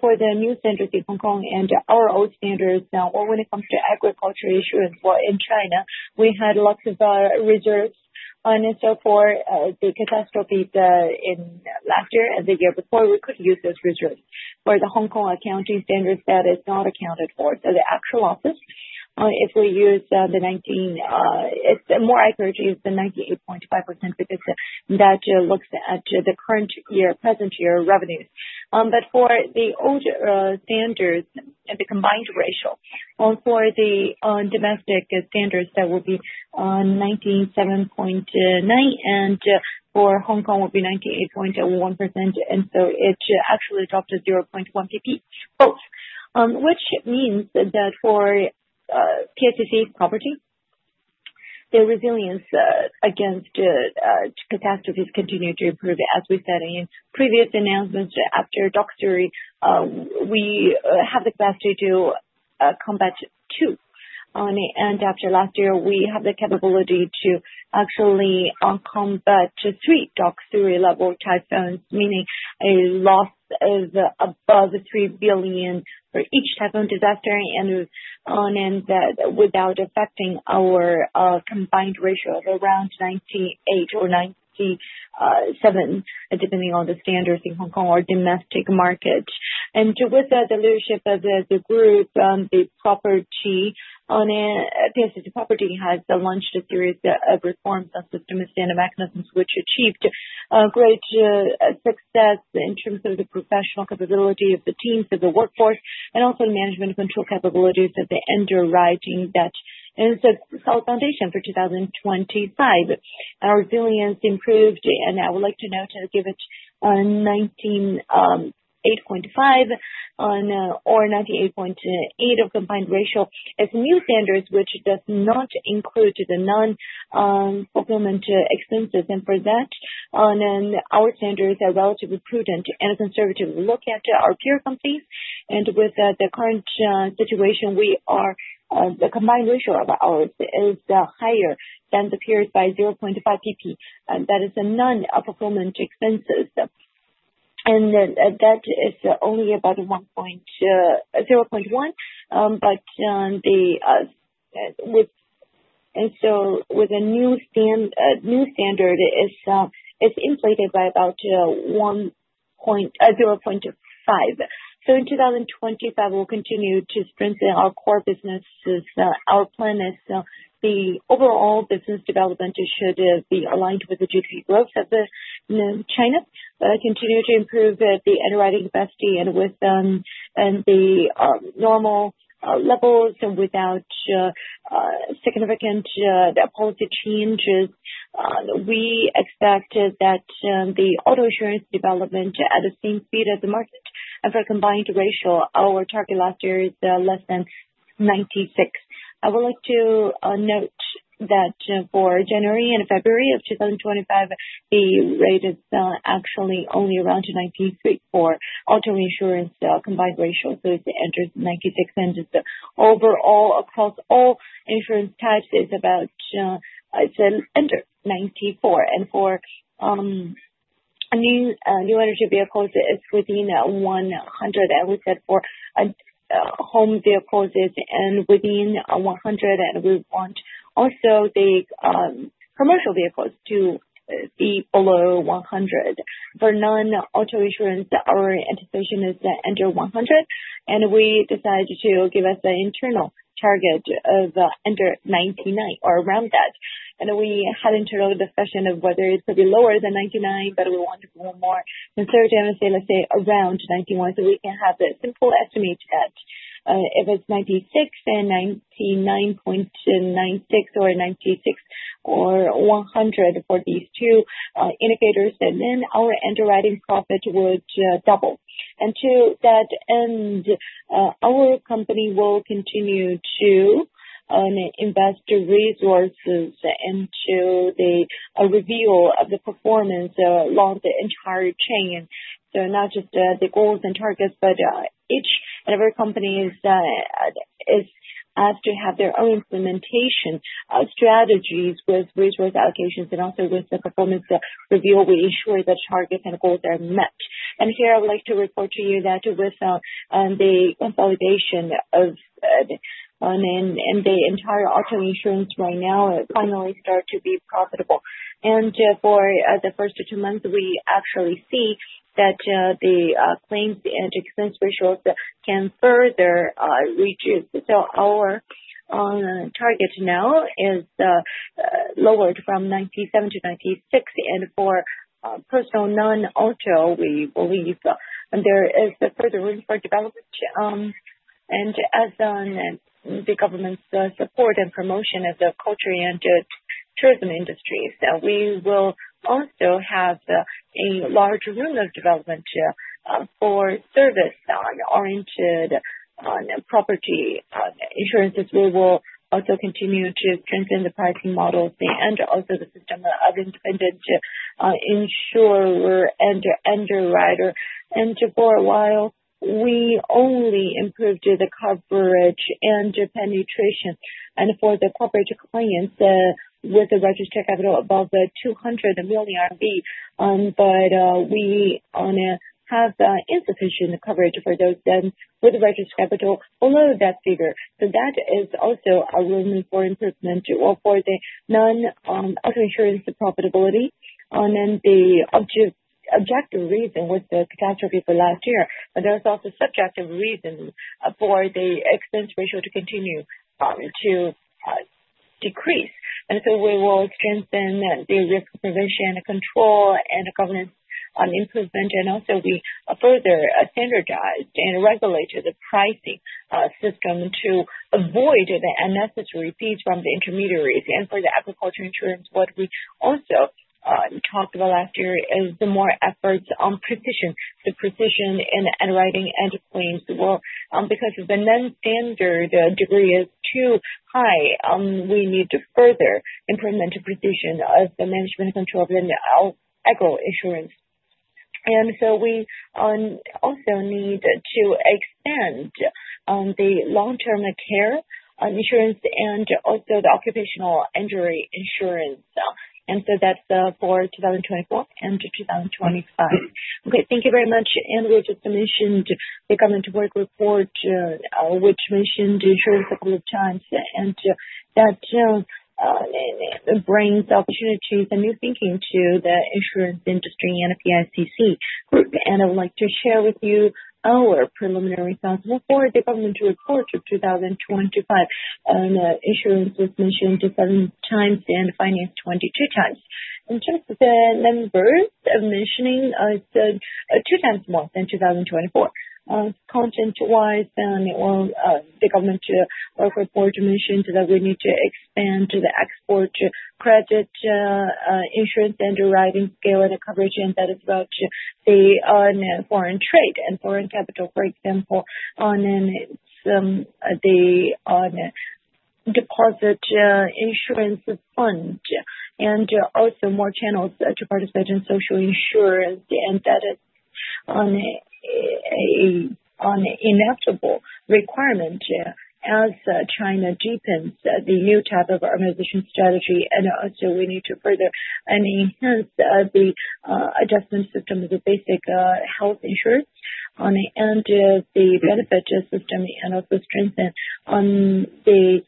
For the new standards, the Hong Kong and our old standards, when it comes to agriculture insurance in China, we had lots of reserves. For the catastrophes last year and the year before, we could use those reserves. For the Hong Kong accounting standards, that is not accounted for. The actual losses, if we use the 19, it's more accurate is the 98.5% because that looks at the current year, present year revenues. For the old standards, the combined ratio for the domestic standards, that will be 97.9%. For Hong Kong, it will be 98.1%. It actually dropped 0.1 percentage points both, which means that for PICC P&C, the resilience against catastrophes continued to improve as we said in previous announcements after doctory. We have the capacity to combat two. After last year, we have the capability to actually combat three doctor-level typhoons, meaning a loss of above 3 billion for each typhoon disaster and without affecting our combined ratio of around 98% or 97%, depending on the standards in Hong Kong or domestic market. With the leadership of the group, the property has launched a series of reforms on systems and mechanisms, which achieved great success in terms of the professional capability of the teams of the workforce and also the management control capabilities of the underwriting. That is a solid foundation for 2025. Our resilience improved. I would like to note it gave it 19.85 or 98.8 of combined ratio as new standards, which does not include the non-fulfillment expenses. For that, our standards are relatively prudent and conservative. Look at our peer companies. With the current situation, the combined ratio of ours is higher than the peers by 0.5 percentage points. That is a non-fulfillment expenses. That is only about 0.1. With a new standard, it is inflated by about 0.5. In 2025, we will continue to strengthen our core businesses. Our plan is the overall business development should be aligned with the GDP growth of China, continue to improve the underwriting capacity and with the normal levels without significant policy changes. We expect that the auto insurance development at the same speed as the market. For combined ratio, our target last year is less than 96. I would like to note that for January and February of 2025, the rate is actually only around 93 for auto insurance combined ratio. It enters 96. Overall, across all insurance types, it is under 94. For new energy vehicles, it's within 100. We said for home vehicles, it's within 100. We want also the commercial vehicles to be below 100. For non-auto insurance, our anticipation is under 100. We decided to give us an internal target of under 99 or around that. We had an internal discussion of whether it could be lower than 99, but we want to go more conservative, let's say around 91. We can have a simple estimate that if it's 96 and 99.96 or 96 or 100 for these two indicators, then our underwriting profit would double. To that end, our company will continue to invest resources into the reveal of the performance along the entire chain. Not just the goals and targets, but each and every company is asked to have their own implementation strategies with resource allocations and also with the performance reveal. We ensure that targets and goals are met. Here, I would like to report to you that with the consolidation of the entire auto insurance right now, finally start to be profitable. For the first two months, we actually see that the claims and expense ratios can further reduce. Our target now is lowered from 97% to 96%. For personal non-auto, we believe there is further room for development. As the government's support and promotion of the culture and tourism industries, we will also have a large room of development for service-oriented property insurances. We will also continue to strengthen the pricing models and also the system of independent insurer and underwriter. For a while, we only improved the coverage and penetration. For the corporate compliance with the registered capital above 200 million RMB, we have insufficient coverage for those with the registered capital below that figure. That is also a room for improvement for the non-auto insurance profitability. The objective reason was the catastrophe for last year, but there is also a subjective reason for the expense ratio to continue to decrease. We will strengthen the risk prevention and control and governance improvement. We further standardized and regulated the pricing system to avoid the unnecessary fees from the intermediaries. For the agriculture insurance, what we also talked about last year is the more efforts on precision. The precision in underwriting and claims will, because the nonstandard degree is too high, we need to further improve the precision of the management control of the eco insurance. We also need to expand the long-term care insurance and also the occupational injury insurance. That is for 2024 and 2025. Thank you very much. We just mentioned the government work report, which mentioned insurance a couple of times and that brings opportunities and new thinking to the insurance industry and PICC. I would like to share with you our preliminary results before the government report of 2025. Insurance was mentioned 7x and finance 22x. In terms of the numbers of mentioning, it is 2x more than 2024. Content-wise, the government work report mentioned that we need to expand the export credit insurance and the writing scale and the coverage. That is about the foreign trade and foreign capital, for example, on the deposit insurance fund. Also, more channels to participate in social insurance. That is an inevitable requirement as China deepens the new type of organization strategy. We need to further enhance the adjustment system of the basic health insurance and the benefit system and also strengthen the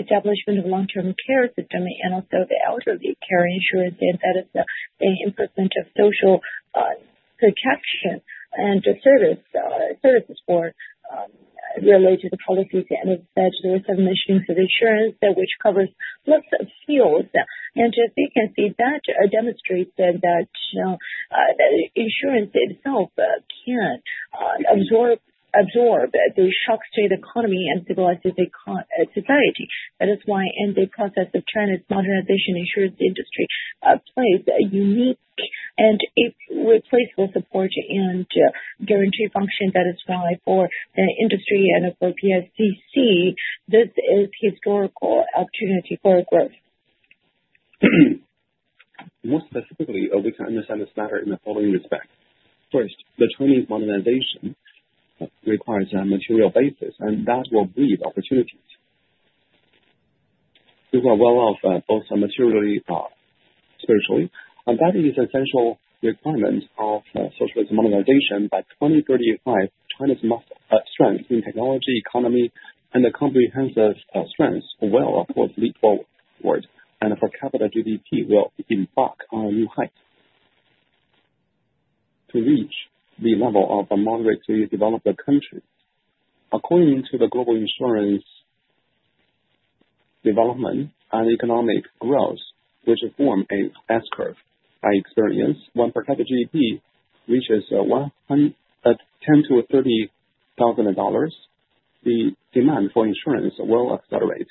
establishment of long-term care system and the elderly care insurance. That is an improvement of social protection and services for related policies. As I said, there were some issues with insurance that covers lots of fields. As you can see, that demonstrates that insurance itself can absorb the shocks to the economy and civilize the society. That is why in the process of China's modernization insurance industry plays a unique and irreplaceable support and guarantee function. That is why for the industry and for PICC, this is a historical opportunity for growth. More specifically, we can understand this matter in the following respect. First, the Chinese modernization requires a material basis, and that will breed opportunities. We will well off both materially and spiritually. That is an essential requirement of socialism modernization. By 2035, China's strength in technology, economy, and the comprehensive strengths will, of course, leap forward. For capital GDP, we will embark on a new height to reach the level of a moderately developed country. According to the global insurance development and economic growth, which forms an S-curve, I experience when per capita GDP reaches $10,000-$30,000, the demand for insurance will accelerate.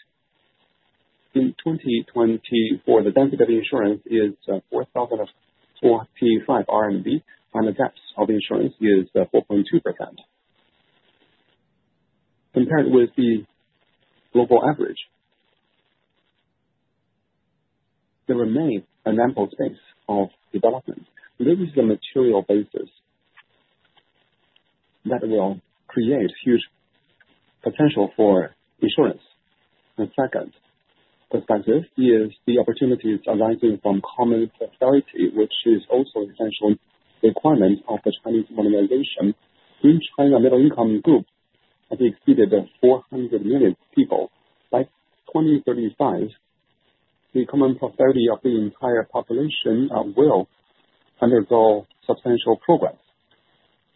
In 2024, the density of insurance is 4,045 RMB, and the depth of insurance is 4.2%. Compared with the global average, there remains an ample space of development. There is a material basis that will create huge potential for insurance. The second perspective is the opportunities arising from common prosperity, which is also an essential requirement of the Chinese modernization. In China, middle-income groups have exceeded 400 million people. By 2035, the common prosperity of the entire population will undergo substantial progress.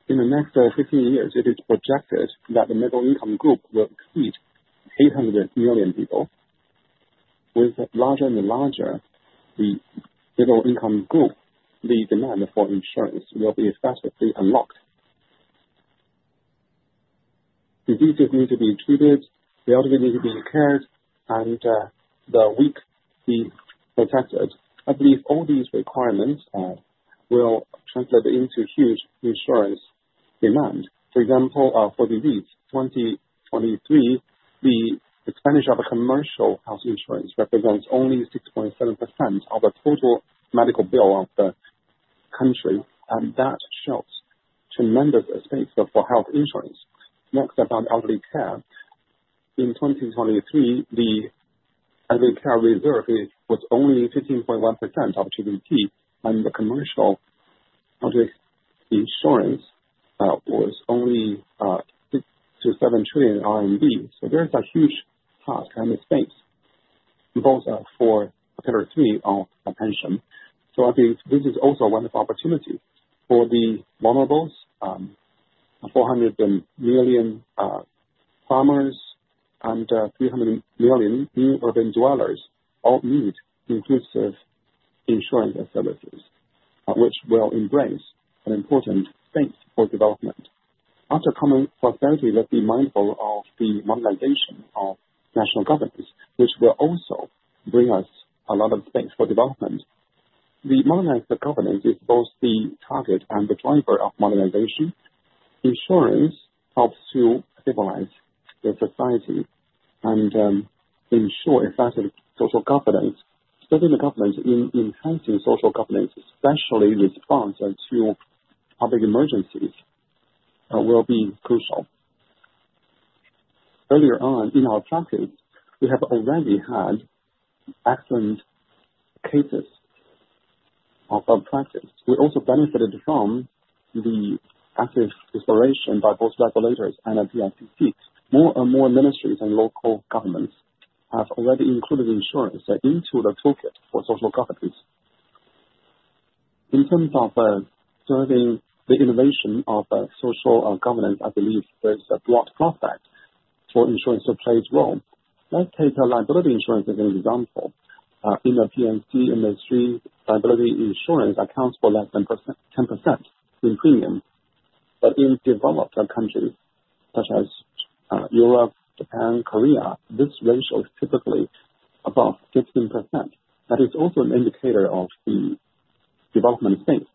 In the next 15 years, it is projected that the middle-income group will exceed 800 million people. With larger and larger the middle-income group, the demand for insurance will be effectively unlocked. Diseases need to be treated. The elderly need to be cared, and the weak, the protected. I believe all these requirements will translate into huge insurance demand. For example, for disease, 2023, the expenditure of commercial health insurance represents only 6.7% of the total medical bill of the country. That shows tremendous space for health insurance. Next, about elderly care. In 2023, the elderly care reserve was only 15.1% of GDP, and the commercial elderly insurance was only 6 trillion-7 trillion RMB. There is a huge task and space both for the category three of pension. I believe this is also a wonderful opportunity for the vulnerables, 400 million farmers, and 300 million new urban dwellers all need inclusive insurance services, which will embrace an important space for development. After common prosperity, let's be mindful of the modernization of national governance, which will also bring us a lot of space for development. The modernized governance is both the target and the driver of modernization. Insurance helps to stabilize the society and ensure effective social governance. Serving the government in enhancing social governance, especially in response to public emergencies, will be crucial. Earlier on in our practice, we have already had excellent cases of our practice. We also benefited from the active exploration by both regulators and PICC's. More and more ministries and local governments have already included insurance into the toolkit for social governance. In terms of serving the innovation of social governance, I believe there's a broad prospect for insurance to play its role. Let's take liability insurance as an example. In the P&C industry, liability insurance accounts for less than 10% in premium. In developed countries such as Europe, Japan, Korea, this ratio is typically above 15%. That is also an indicator of the development space.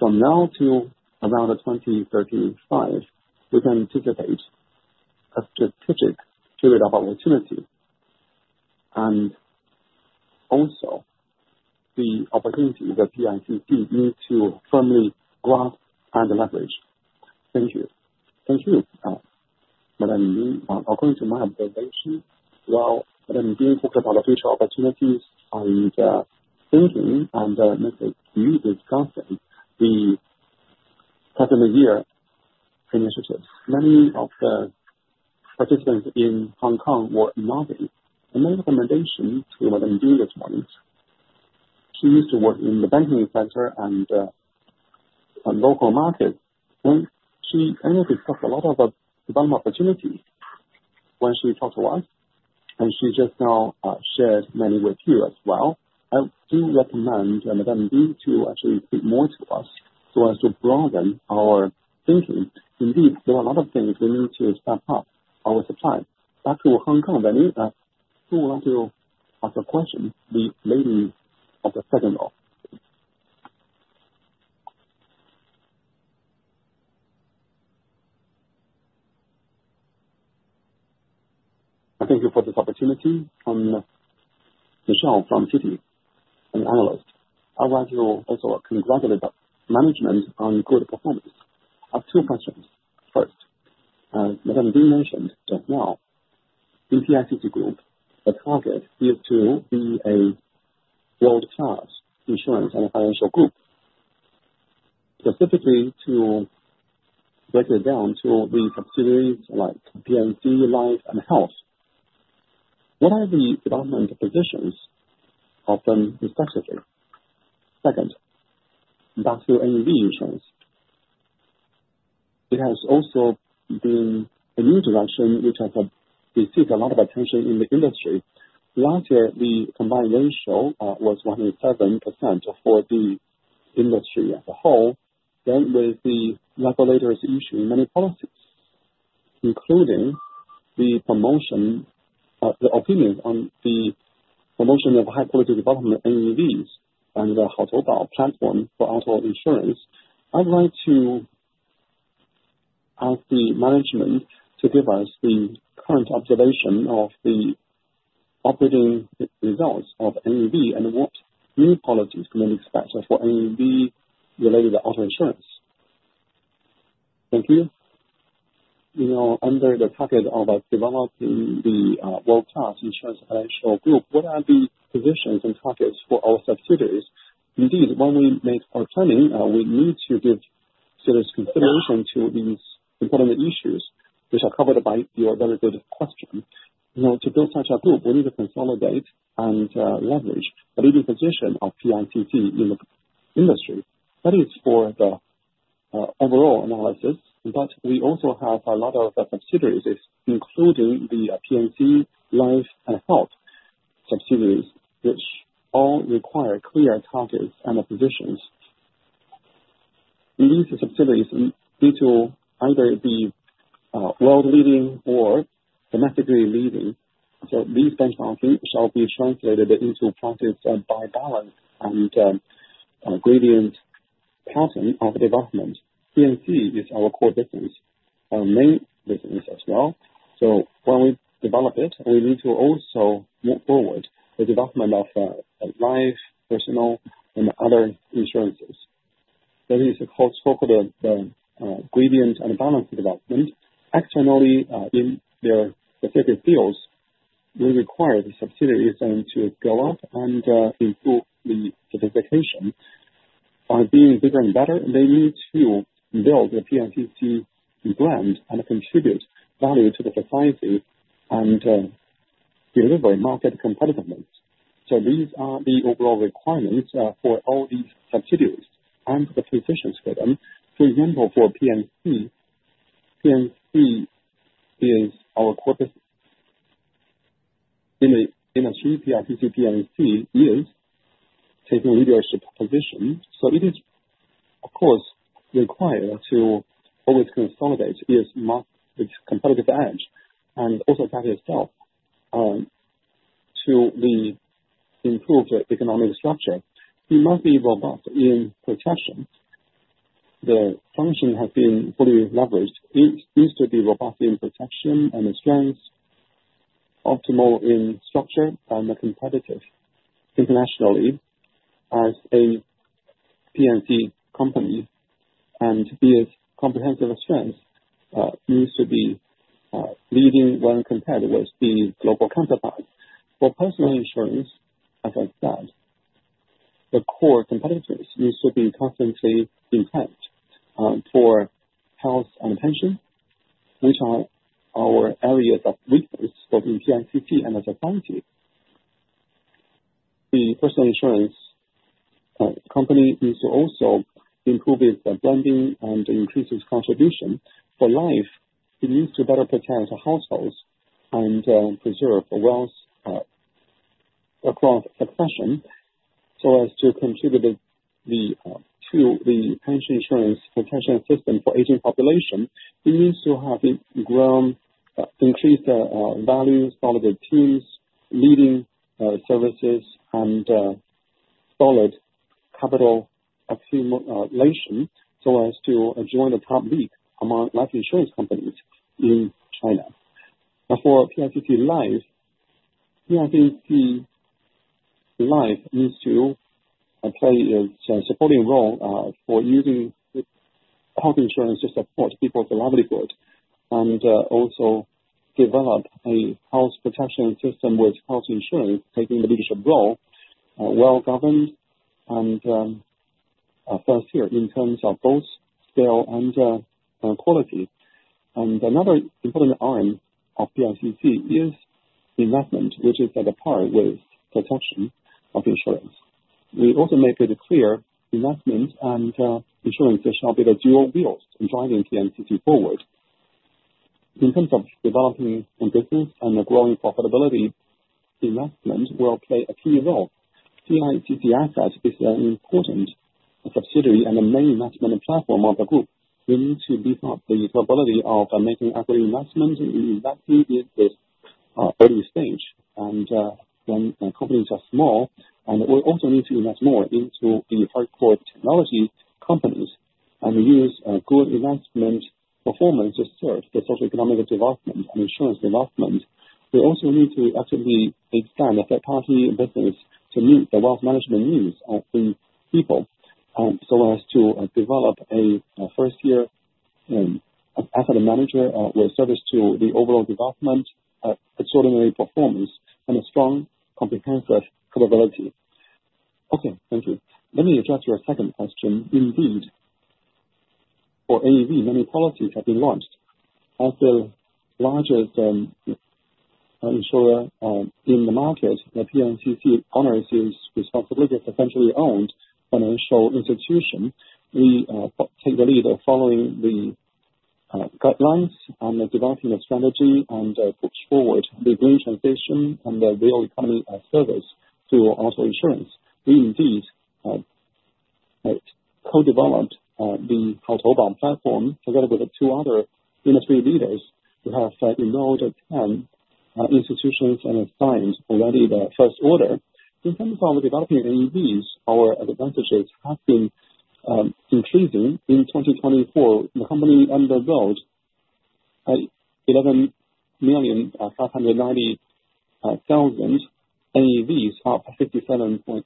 From now to around 2035, we can anticipate a strategic period of opportunity. Also, the opportunities that PICC's need to firmly grasp and leverage. Thank you. Thank you, Madam Yu. According to my observation, while Madam Yu talked about the future opportunities and thinking and methods you discussed, the present-year initiatives, many of the participants in Hong Kong were nodding. My recommendation to Madam Yu at this moment, she used to work in the banking sector and local markets. She kind of discussed a lot of development opportunities when she talked to us. She just now shared many with you as well. I do recommend Madam Yu to actually speak more to us so as to broaden our thinking. Indeed, there are a lot of things we need to step up our supply. Back to Hong Kong, Madam Yu, who would like to ask a question? The lady of the second row. Thank you for this opportunity from Michelle from Citi and the analyst. I would like to also congratulate the management on good performance. I have two questions. First, as Madam Yu mentioned just now, in PICC Group, the target is to be a world-class insurance and financial group, specifically to break it down to the subsidiaries like P&C, Life, and Health. What are the development positions of them respectively? Second, back to NEV insurance. It has also been a new direction which has received a lot of attention in the industry. Last year, the combined ratio was 107% for the industry as a whole. With the regulators issuing many policies, including the opinion on the promotion of high-quality development of NEVs and the Hau Tou Bao platform for auto insurance, I would like to ask the management to give us the current observation of the operating results of NEV and what new policies can be expected for NEV related to auto insurance. Thank you. Under the target of developing the world-class insurance financial group, what are the positions and targets for our subsidiaries? Indeed, when we make our planning, we need to give serious consideration to these important issues which are covered by your very good question. To build such a group, we need to consolidate and leverage a leading position of PICC in the industry. That is for the overall analysis. We also have a lot of subsidiaries, including the P&C, Life, and Health subsidiaries, which all require clear targets and positions. These subsidiaries need to either be world-leading or domestically leading. These benchmarking shall be translated into profits by balance and gradient pattern of development. P&C is our core business, our main business as well. When we develop it, we need to also move forward the development of Life, Personal, and other insurances. That is called the gradient and balance development. Externally, in their specific fields, we require the subsidiaries to go up and improve the sophistication. By being bigger and better, they need to build the P&C brand and contribute value to the society and deliver market competitiveness. These are the overall requirements for all these subsidiaries and the positions for them. For example, for P&C, P&C is our corpus. In PICC, P&C is taking leadership positions. It is, of course, required to always consolidate its competitive edge and also carry itself to the improved economic structure. It must be robust in protection. The function has been fully leveraged. It needs to be robust in protection and strength, optimal in structure, and competitive internationally as a P&C company. Its comprehensive strength needs to be leading when compared with the global counterpart. For personal insurance, as I said, the core competitors need to be constantly intact for health and pension, which are our areas of weakness both in PICC P&C and society. The personal insurance company needs to also improve its branding and increase its contribution. For Life, it needs to better protect households and preserve wealth across succession so as to contribute to the pension insurance protection system for aging population. It needs to have grown, increased value, solid teams, leading services, and solid capital accumulation so as to join the top league among life insurance companies in China. For PICC Life, PICC Life needs to play its supporting role for using health insurance to support people's livelihood and also develop a health protection system with health insurance taking the leadership role, well-governed and first-tier in terms of both scale and quality. Another important arm of PICC is investment, which is at par with protection of insurance. We also make it clear investment and insurance shall be the dual wheels in driving P&CC forward. In terms of developing a business and growing profitability, investment will play a key role. PICC Asset is an important subsidiary and a main investment platform of the group. We need to beef up the capability of making equity investment. We invested in this early stage. When companies are small, we also need to invest more into the hardcore technology companies and use good investment performance to serve the socioeconomic development and insurance development. We also need to actively expand the third-party business to meet the wealth management needs of the people so as to develop a first-tier asset manager with service to the overall development, extraordinary performance, and a strong comprehensive capability. Okay, thank you. Let me address your second question. Indeed, for NEV, many policies have been launched. As the largest insurer in the market, PICC P&C honors its responsibility as a centrally owned financial institution. We take the lead following the guidelines and developing a strategy and push forward the green transition and the real economy service to auto insurance. We indeed co-developed the Hau Tou Bao platform together with the two other industry leaders who have endowed 10 institutions and signed already the first order. In terms of developing NEVs, our advantages have been increasing. In 2024, the company underwrote 11,590,000 NEVs, up 57.3%,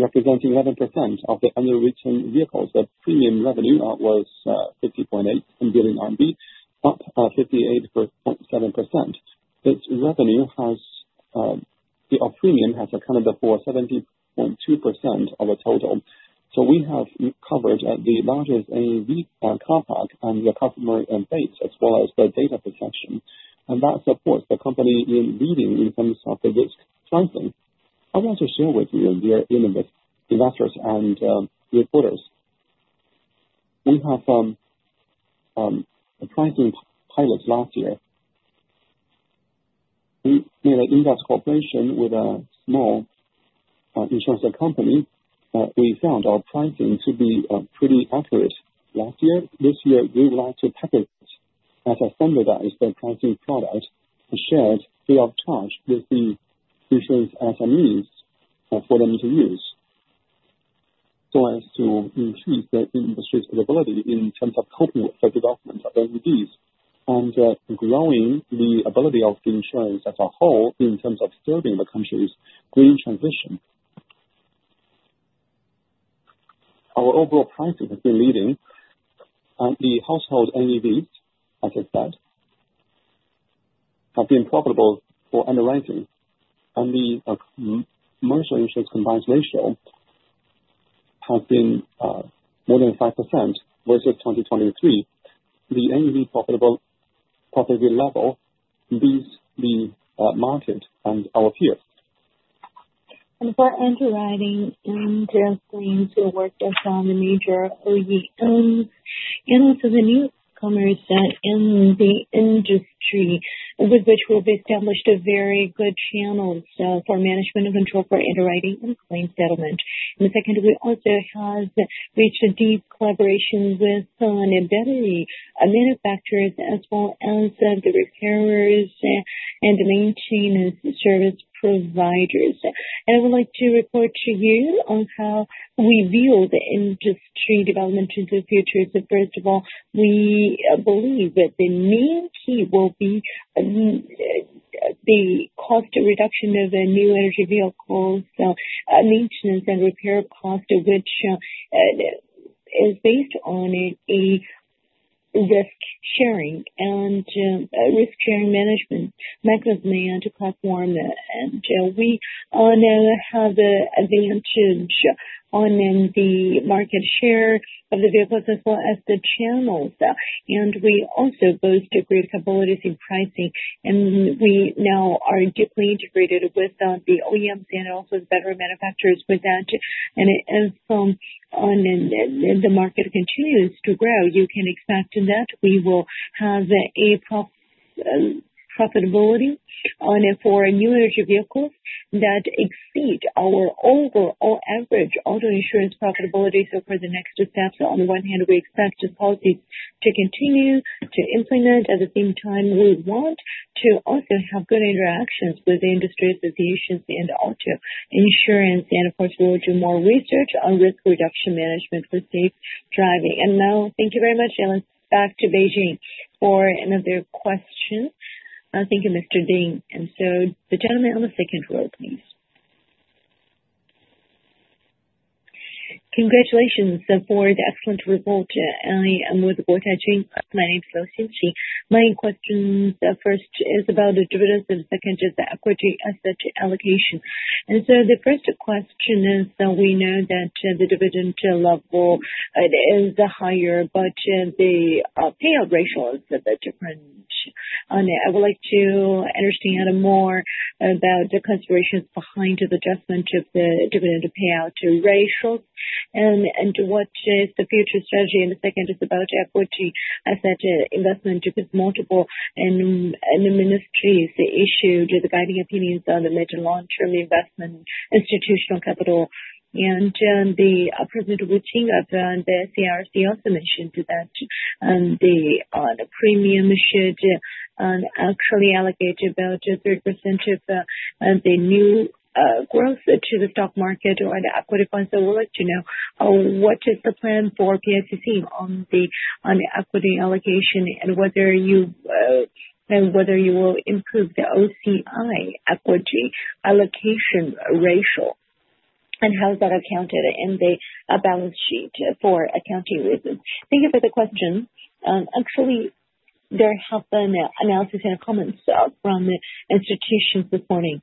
representing 11% of the underwritten vehicles. The premium revenue was 50.8 billion RMB, up 58.7%. Its revenue has the premium has accounted for 70.2% of the total. We have covered the largest NEV car park and the customer base as well as the data protection. That supports the company in leading in terms of the risk pricing. I want to share with you, dear investors and reporters, we have a pricing pilot last year. We made an invest cooperation with a small insurance company. We found our pricing to be pretty accurate last year. This year, we would like to package it as a standardized pricing product shared free of charge with the insurance SMEs for them to use so as to increase the industry's capability in terms of coping with the development of NEVs and growing the ability of the insurance as a whole in terms of serving the country's green transition. Our overall pricing has been leading. The household NEVs, as I said, have been profitable for underwriting. The commercial insurance combined ratio has been more than 5% versus 2023. The NEV profitability level beats the market and our peers. For underwriting, Jess Lane's work has found a major lead. Also, the newcomers in the industry with which we've established very good channels for management and control for underwriting and claim settlement. The secondary also has reached a deep collaboration with embedded manufacturers as well as the repairers and the maintainers service providers. I would like to report to you on how we view the industry development into the future. First of all, we believe that the main key will be the cost reduction of new energy vehicles, maintenance, and repair cost, which is based on a risk sharing and risk sharing management, Microsoft and the platform. We now have the advantage on the market share of the vehicles as well as the channels. We also boast great capabilities in pricing. We now are deeply integrated with the OEMs and also the battery manufacturers with that. If the market continues to grow, you can expect that we will have a profitability for new energy vehicles that exceed our overall average auto insurance profitability. For the next steps, on the one hand, we expect policies to continue to implement. At the same time, we would want to also have good interactions with the industry associations and auto insurance. Of course, we will do more research on risk reduction management for safe driving. Thank you very much. Let's go back to Beijing for another question. Thank you, Mr. Ding. The gentleman on the second row, please. Congratulations for the excellent report. I am with Guotajing. My name is Liu Xinxi. My question first is about the dividends and second is the equity asset allocation. The first question is we know that the dividend level is higher, but the payout ratio is the difference. I would like to understand more about the considerations behind the adjustment of the dividend payout ratios and what is the future strategy. The second is about equity asset investment because multiple ministries issued the guiding opinions on the mid and long-term investment, institutional capital. The present routine of the CRC also mentioned that the premium should actually allocate about 3% of the new growth to the stock market or the equity funds. We would like to know what is the plan for PICC on the equity allocation and whether you will improve the OCI equity allocation ratio and how is that accounted in the balance sheet for accounting reasons. Thank you for the question. Actually, there have been analyses and comments from institutions this morning.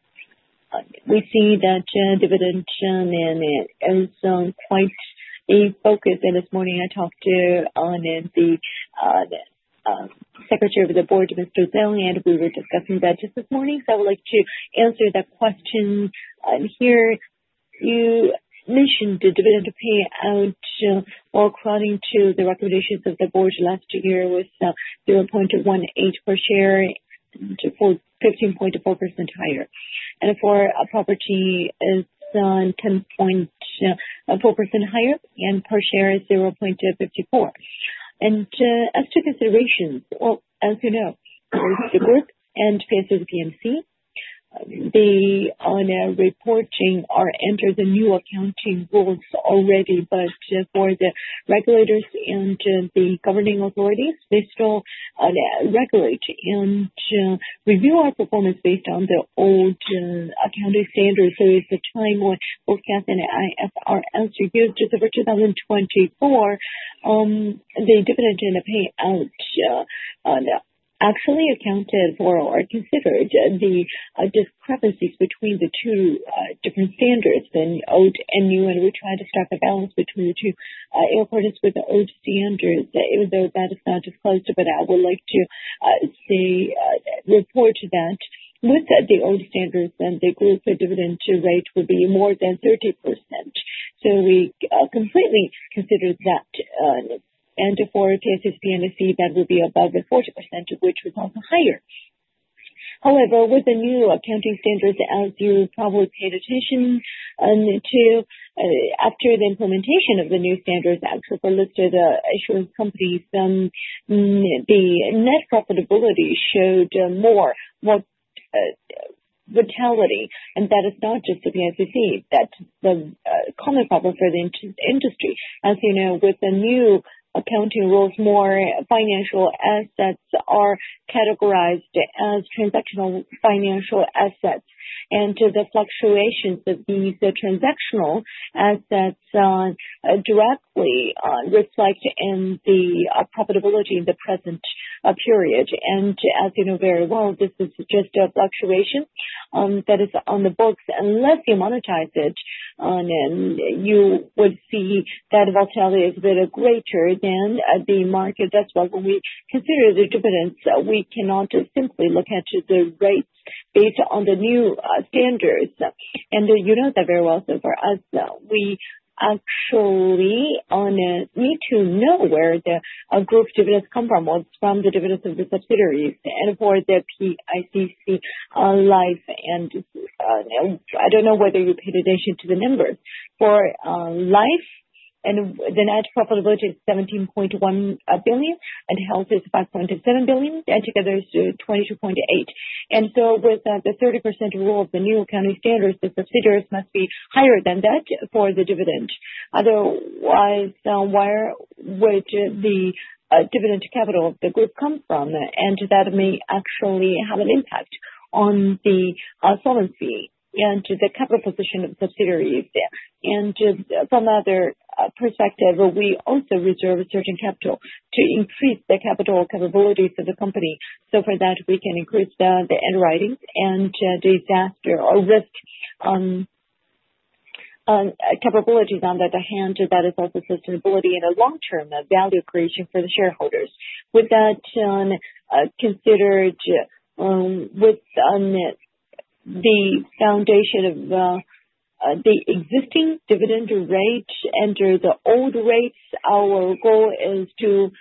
We see that dividend is quite a focus. This morning, I talked to the Secretary of the Board, Mr. Zhou, and we were discussing that just this morning. I would like to answer that question here. You mentioned the dividend payout while according to the recommendations of the board last year was 0.18 per share, 15.4% higher. For property, it is 10.4% higher and per share is 0.54. As to considerations, as you know, there is the group and PICC P&C. The reporting enters the new accounting rules already, but for the regulators and the governing authorities, they still regulate and review our performance based on the old accounting standards. It is a time when forecast and IFRS reviews December 2024, the dividend and the payout actually accounted for or considered the discrepancies between the two different standards, the old and new, and we tried to strike a balance between the two accords with the old standards. Even though that is not disclosed, but I would like to report that with the old standards, the group dividend rate would be more than 30%. We completely considered that. For PICC P&C, that would be above 40%, which was also higher. However, with the new accounting standards, as you probably paid attention to, after the implementation of the new standards, as for listed insurance companies, the net profitability showed more vitality. That is not just the PICC P&C; that is the common problem for the industry. As you know, with the new accounting rules, more financial assets are categorized as transactional financial assets. The fluctuations of these transactional assets directly reflect in the profitability in the present period. As you know very well, this is just a fluctuation that is on the books. Unless you monetize it, you would see that volatility is a bit greater than the market. That is why when we consider the dividends, we cannot simply look at the rates based on the new standards. You know that very well. For us, we actually need to know where the group dividends come from. It is from the dividends of the subsidiaries. For PICC Life, and I do not know whether you paid attention to the numbers. For Life, the net profitability is 17.1 billion, and health is 5.7 billion, and together it is 22.8 billion. With the 30% rule of the new accounting standards, the subsidiaries must be higher than that for the dividend. Otherwise, where would the dividend capital of the group come from? That may actually have an impact on the solvency and the capital position of subsidiaries. From another perspective, we also reserve a certain capital to increase the capital capability for the company. For that, we can increase the underwriting and disaster or risk capabilities on the other hand. That is also sustainability in the long-term value creation for the shareholders. With that considered, with the foundation of the existing dividend rate and the old rates, our goal is to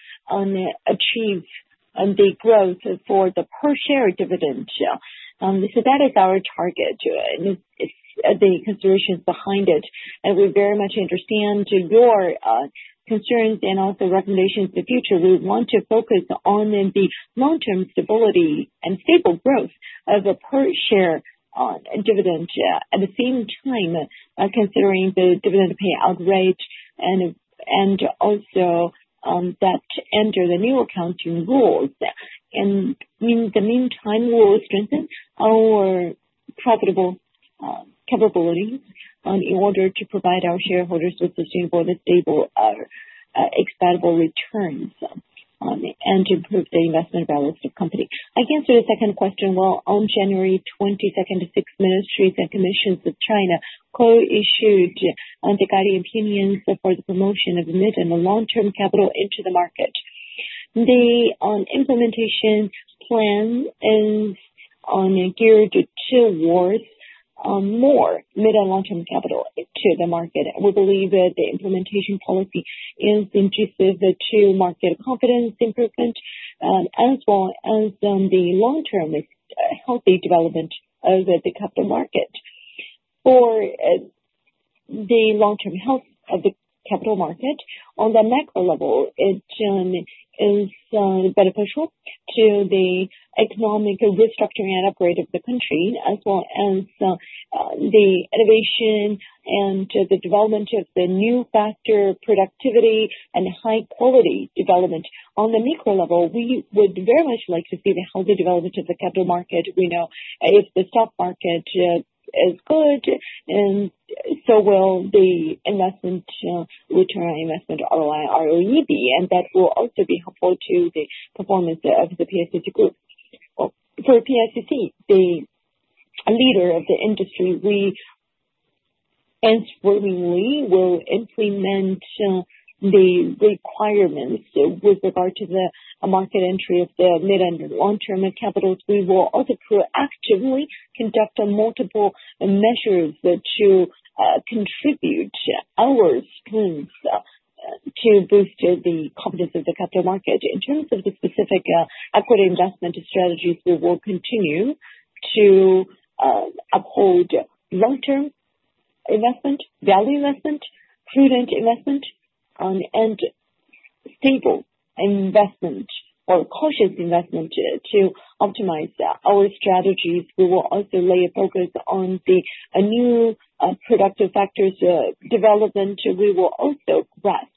achieve the growth for the per share dividend. That is our target. The considerations behind it, and we very much understand your concerns and also recommendations in the future. We want to focus on the long-term stability and stable growth of a per share dividend at the same time, considering the dividend payout rate and also that under the new accounting rules. In the meantime, we will strengthen our profitable capability in order to provide our shareholders with sustainable and stable expendable returns and to improve the investment balance of the company. I can answer the second question. On January 22nd, the Six Ministries and Commissions of China co-issued the guiding opinions for the promotion of mid and long-term capital into the market. The implementation plan is geared towards more mid and long-term capital to the market. We believe that the implementation policy is indeed to market confidence improvement as well as the long-term healthy development of the capital market. For the long-term health of the capital market, on the macro level, it is beneficial to the economic restructuring and upgrade of the country as well as the innovation and the development of the new factor productivity and high-quality development. On the micro level, we would very much like to see the healthy development of the capital market. We know if the stock market is good, and so will the investment return on investment ROI, ROE, and that will also be helpful to the performance of the PICC Group. For PICC, the leader of the industry, we informally will implement the requirements with regard to the market entry of the mid and long-term capitals. We will also proactively conduct multiple measures to contribute our strength to boost the confidence of the capital market. In terms of the specific equity investment strategies, we will continue to uphold long-term investment, value investment, prudent investment, and stable investment or cautious investment to optimize our strategies. We will also lay a focus on the new productive factors development. We will also grasp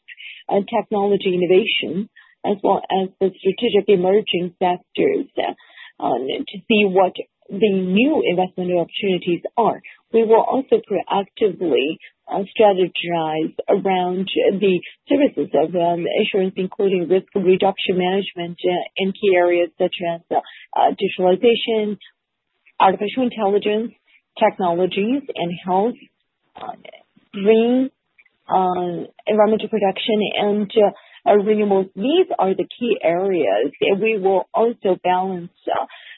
technology innovation as well as the strategic emerging factors to see what the new investment opportunities are. We will also proactively strategize around the services of insurance, including risk reduction management in key areas such as digitalization, artificial intelligence, technologies, and health, green environmental production, and renewable. These are the key areas. We will also balance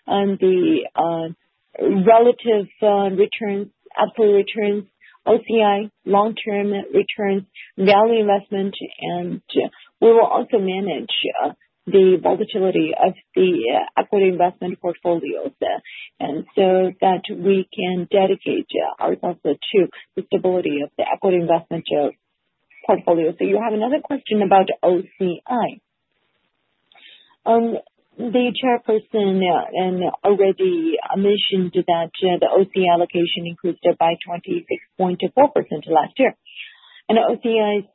the relative returns, equity returns, OCI, long-term returns, value investment, and we will also manage the volatility of the equity investment portfolios so that we can dedicate ourselves to the stability of the equity investment portfolio. You have another question about OCI. The Chairperson already mentioned that the OCI allocation increased by 26.4% last year. OCI's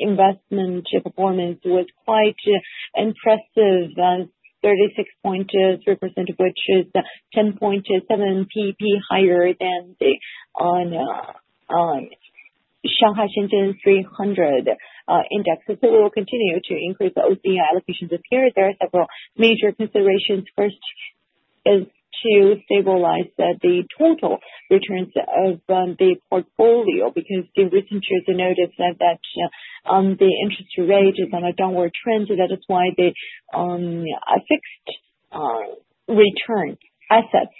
investment performance was quite impressive, 36.3% of which is 10.7 percentage points higher than the Shanghai Shenzhen 300 index. We will continue to increase the OCI allocations this year. There are several major considerations. First is to stabilize the total returns of the portfolio because the recent years noticed that the interest rate is on a downward trend. That is why the fixed return assets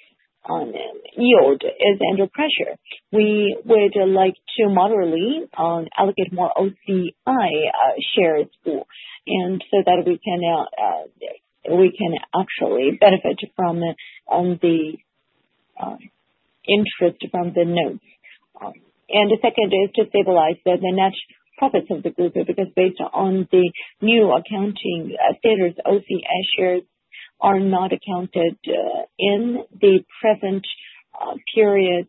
yield is under pressure. We would like to moderately allocate more OCI shares so that we can actually benefit from the interest from the notes. The second is to stabilize the net profits of the group because based on the new accounting standards, OCI shares are not accounted in the present period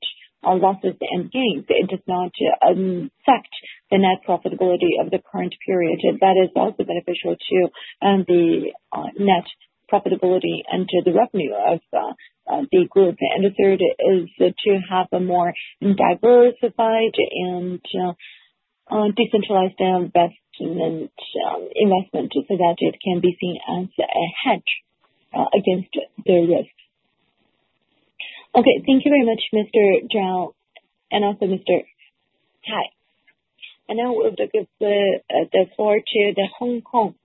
losses and gains. It does not affect the net profitability of the current period. That is also beneficial to the net profitability and to the revenue of the group. The third is to have a more diversified and decentralized investment so that it can be seen as a hedge against the risks. Thank you very much, Mr. Zhao, and also Mr. Hai. Now we'll give the floor to Hong Kong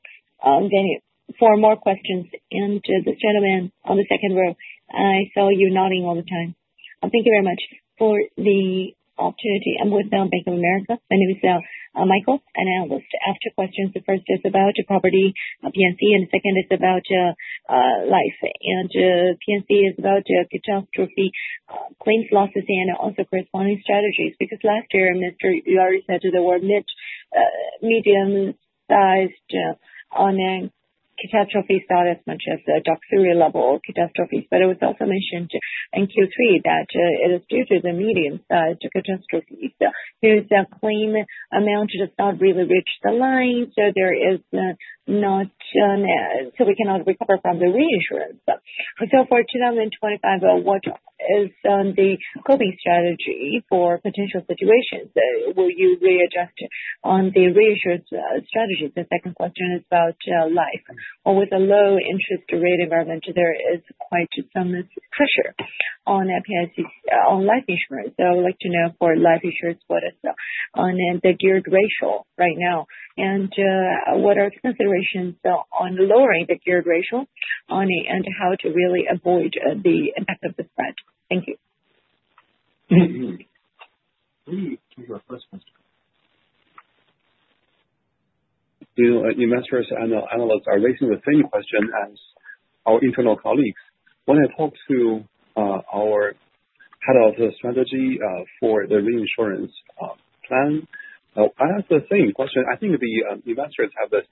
for more questions. The gentleman on the second row, I saw you nodding all the time. Thank you very much for the opportunity. I'm with Bank of America. My name is Michael and I'll list after questions. The first is about property, P&C, and the second is about life. P&C is about catastrophe claims losses and also corresponding strategies because last year, Mr. Yu said that there were mid-medium-sized catastrophe, not as much as the doxury level catastrophes. It was also mentioned in Q3 that it is due to the medium-sized catastrophes. His claim amount does not really reach the line, so there is not, so we cannot recover from the reinsurance. For 2025, what is the coping strategy for potential situations? Will you readjust on the reinsurance strategies? The second question is about life. With a low interest rate environment, there is quite some pressure on life insurance. I would like to know for life insurance, what is the geared ratio right now? What are the considerations on lowering the geared ratio and how to really avoid the impact of the spread? Thank you. Please take your first question. The investors and analysts are raising the same question as our internal colleagues. When I talk to our Head of Strategy for the reinsurance plan, I ask the same question. I think the investors have the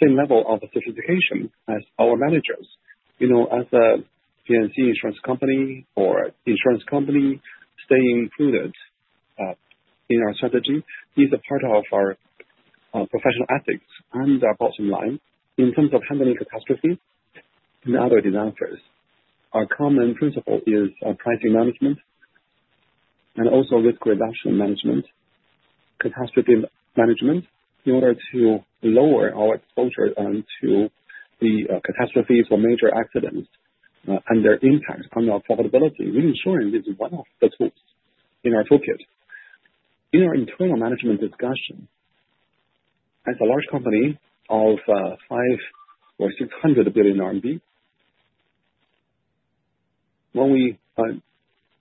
same level of sophistication as our managers. As a P&C insurance company or insurance company, staying prudent in our strategy is a part of our professional ethics and our bottom line. In terms of handling catastrophe and other disasters, our common principle is pricing management and also risk reduction management, catastrophe management in order to lower our exposure to the catastrophes or major accidents and their impact on our profitability. Reinsurance is one of the tools in our toolkit. In our internal management discussion, as a large company of 500 billion-600 billion RMB, when we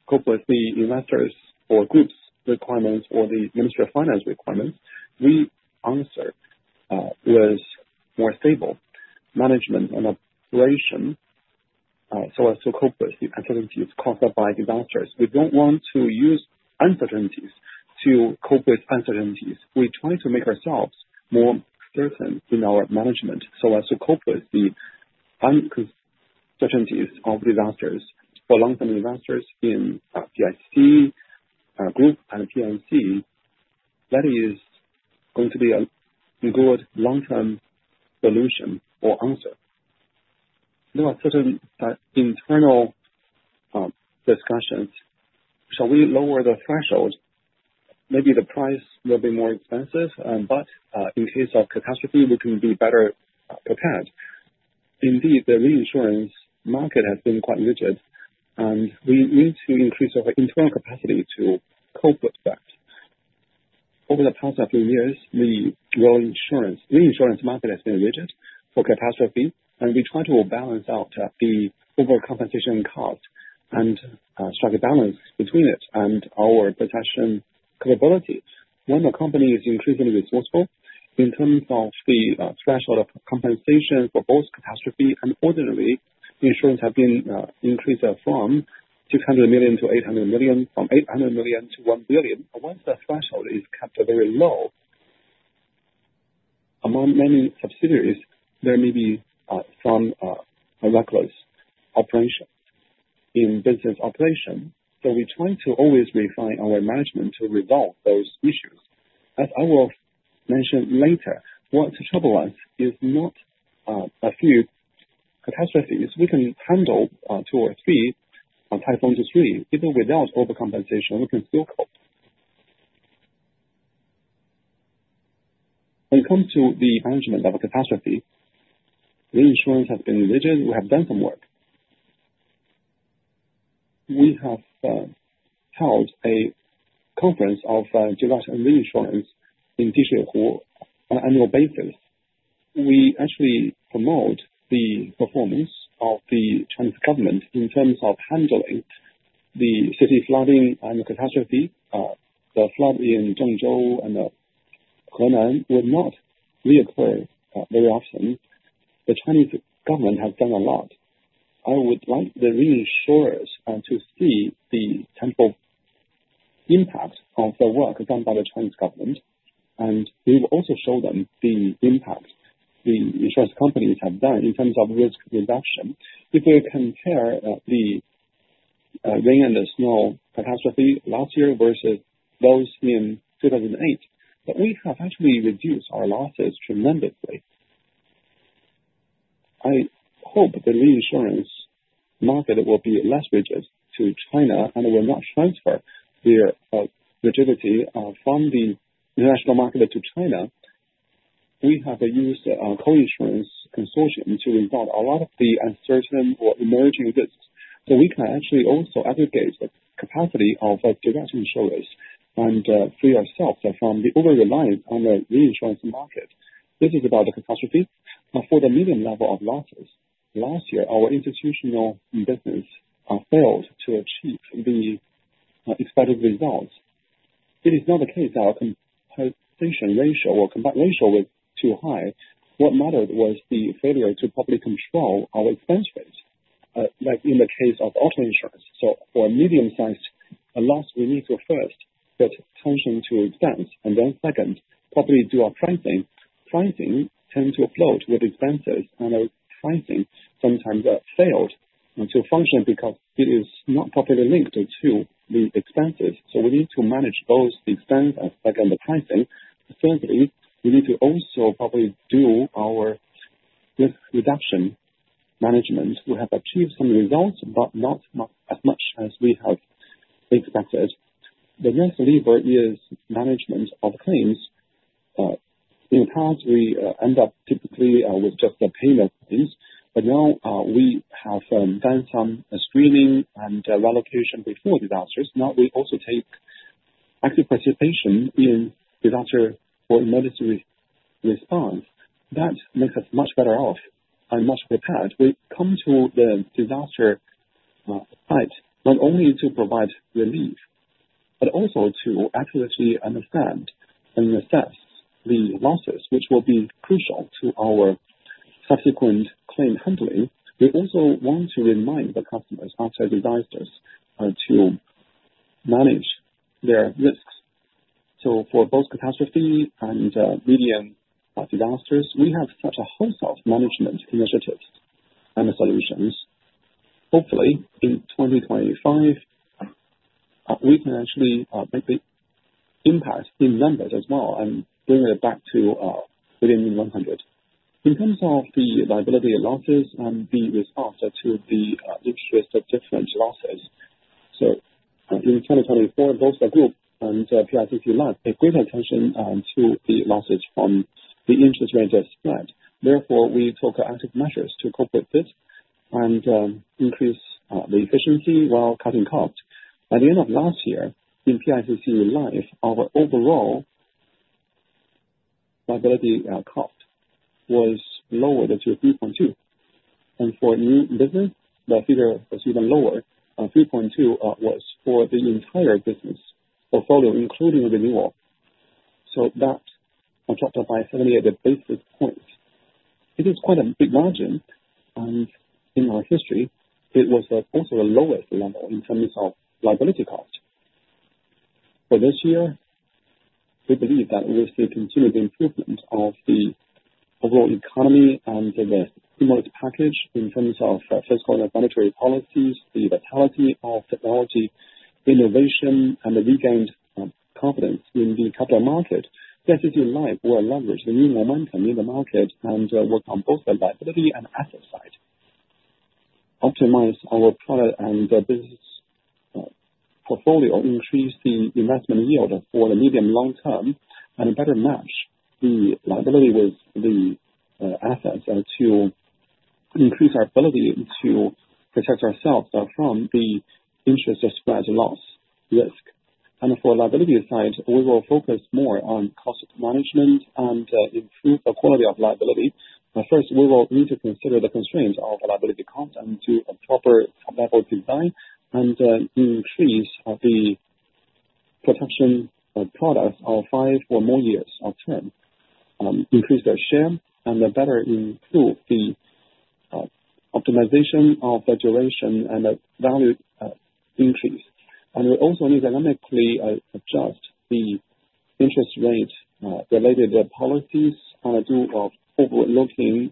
cope with the investors' or group's requirements or the Ministry of Finance requirements, we answer with more stable management and operation so as to cope with the uncertainties caused by disasters. We do not want to use uncertainties to cope with uncertainties. We try to make ourselves more certain in our management so as to cope with the uncertainties of disasters. For long-term investors in PICC Group and PICC P&C, that is going to be a good long-term solution or answer. There are certain internal discussions. Shall we lower the threshold? Maybe the price will be more expensive, but in case of catastrophe, we can be better prepared. Indeed, the reinsurance market has been quite rigid, and we need to increase our internal capacity to cope with that. Over the past couple of years, the reinsurance market has been rigid for catastrophe, and we try to balance out the overcompensation cost and strike a balance between it and our protection capability. When a company is increasingly resourceful in terms of the threshold of compensation for both catastrophe and ordinary, insurance has been increased from 600 million to 800 million, from 800 million to 1 billion. Once the threshold is kept very low, among many subsidiaries, there may be some reckless operation in business operation. We try to always refine our management to resolve those issues. As I will mention later, what troubles us is not a few catastrophes. We can handle two or three typhoons or three. Even without overcompensation, we can still cope. When it comes to the management of a catastrophe, reinsurance has been rigid. We have done some work. We have held a conference of geological reinsurance in Dishihu on an annual basis. We actually promote the performance of the Chinese government in terms of handling the city flooding and catastrophe. The flood in Zhengzhou and Henan will not reoccur very often. The Chinese government has done a lot. I would like the reinsurers to see the temporal impact of the work done by the Chinese government. We will also show them the impact the insurance companies have done in terms of risk reduction. If we compare the rain and the snow catastrophe last year versus those in 2008, we have actually reduced our losses tremendously. I hope the reinsurance market will be less rigid to China and will not transfer their rigidity from the international market to China. We have used a co-insurance consortium to resolve a lot of the uncertain or emerging risks. We can actually also aggregate the capacity of direct insurers and free ourselves from the overreliance on the reinsurance market. This is about the catastrophe. For the medium level of losses, last year, our institutional business failed to achieve the expected results. It is not the case that our compensation ratio or combined ratio was too high. What mattered was the failure to properly control our expense rate, like in the case of auto insurance. For a medium-sized loss, we need to first set tension to expense and then, second, properly do our pricing. Pricing tends to float with expenses, and our pricing sometimes fails to function because it is not properly linked to the expenses. We need to manage both the expense and, second, the pricing. Thirdly, we need to also properly do our risk reduction management. We have achieved some results, but not as much as we have expected. The next lever is management of claims. In the past, we end up typically with just the payment claims, but now we have done some screening and relocation before disasters. Now we also take active participation in disaster or emergency response. That makes us much better off and much prepared. We come to the disaster site not only to provide relief, but also to accurately understand and assess the losses, which will be crucial to our subsequent claim handling. We also want to remind the customers after disasters to manage their risks. For both catastrophe and medium disasters, we have such a whole set of management initiatives and solutions. Hopefully, in 2025, we can actually make the impact in numbers as well and bring it back to within 100. In terms of the liability losses and the response to the interest of different losses, in 2024, both the group and PICC Life paid great attention to the losses from the interest rate spread. Therefore, we took active measures to cope with this and increase the efficiency while cutting costs. By the end of last year, in PICC Life, our overall liability cost was lowered to 3.2. For new business, the figure was even lower. 3.2 was for the entire business portfolio, including renewal. That was capped up by 78 basis points. It is quite a big margin, and in our history, it was also the lowest level in terms of liability cost. For this year, we believe that we will see continued improvement of the overall economy and the stimulus package in terms of fiscal and monetary policies, the vitality of technology, innovation, and regained confidence in the capital market. PICC Life will leverage the new momentum in the market and work on both the liability and asset side. Optimize our product and business portfolio, increase the investment yield for the medium-long term, and better match the liability with the assets to increase our ability to protect ourselves from the interest spread loss risk. For liability side, we will focus more on cost management and improve the quality of liability. First, we will need to consider the constraints of liability cost and do a proper level design and increase the protection products of five or more years of term, increase their share, and better improve the optimization of the duration and the value increase. We also need to dynamically adjust the interest rate-related policies on a do of overlooking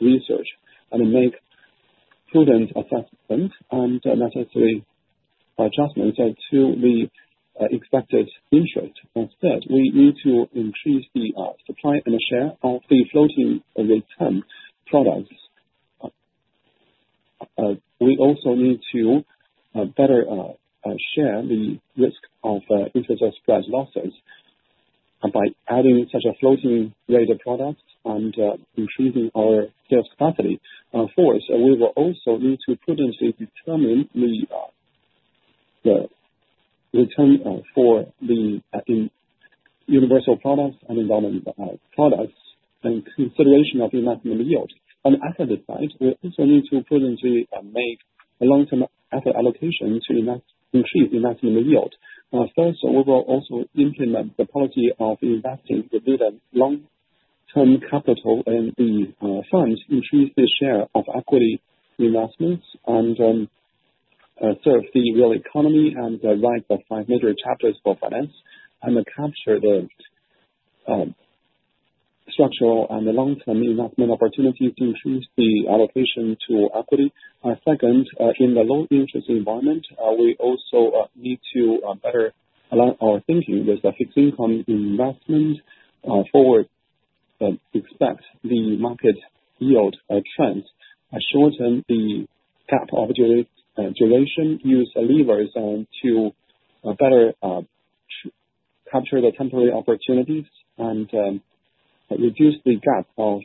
research and make prudent assessments and necessary adjustments to the expected interest. Instead, we need to increase the supply and share of the floating rate term products. We also need to better share the risk of interest spread losses by adding such a floating rate of products and increasing our sales capacity. Of course, we will also need to prudently determine the return for the universal products and environmental products and consideration of the maximum yield. On the asset side, we also need to prudently make a long-term asset allocation to increase the maximum yield. First, we will also implement the policy of investing within long-term capital in the funds, increase the share of equity investments, and serve the real economy and the right of five major chapters for finance, and capture the structural and long-term investment opportunities to increase the allocation to equity. Second, in the low-interest environment, we also need to better align our thinking with fixed income investment forward, expect the market yield trends, shorten the gap of duration, use levers to better capture the temporary opportunities, and reduce the gap of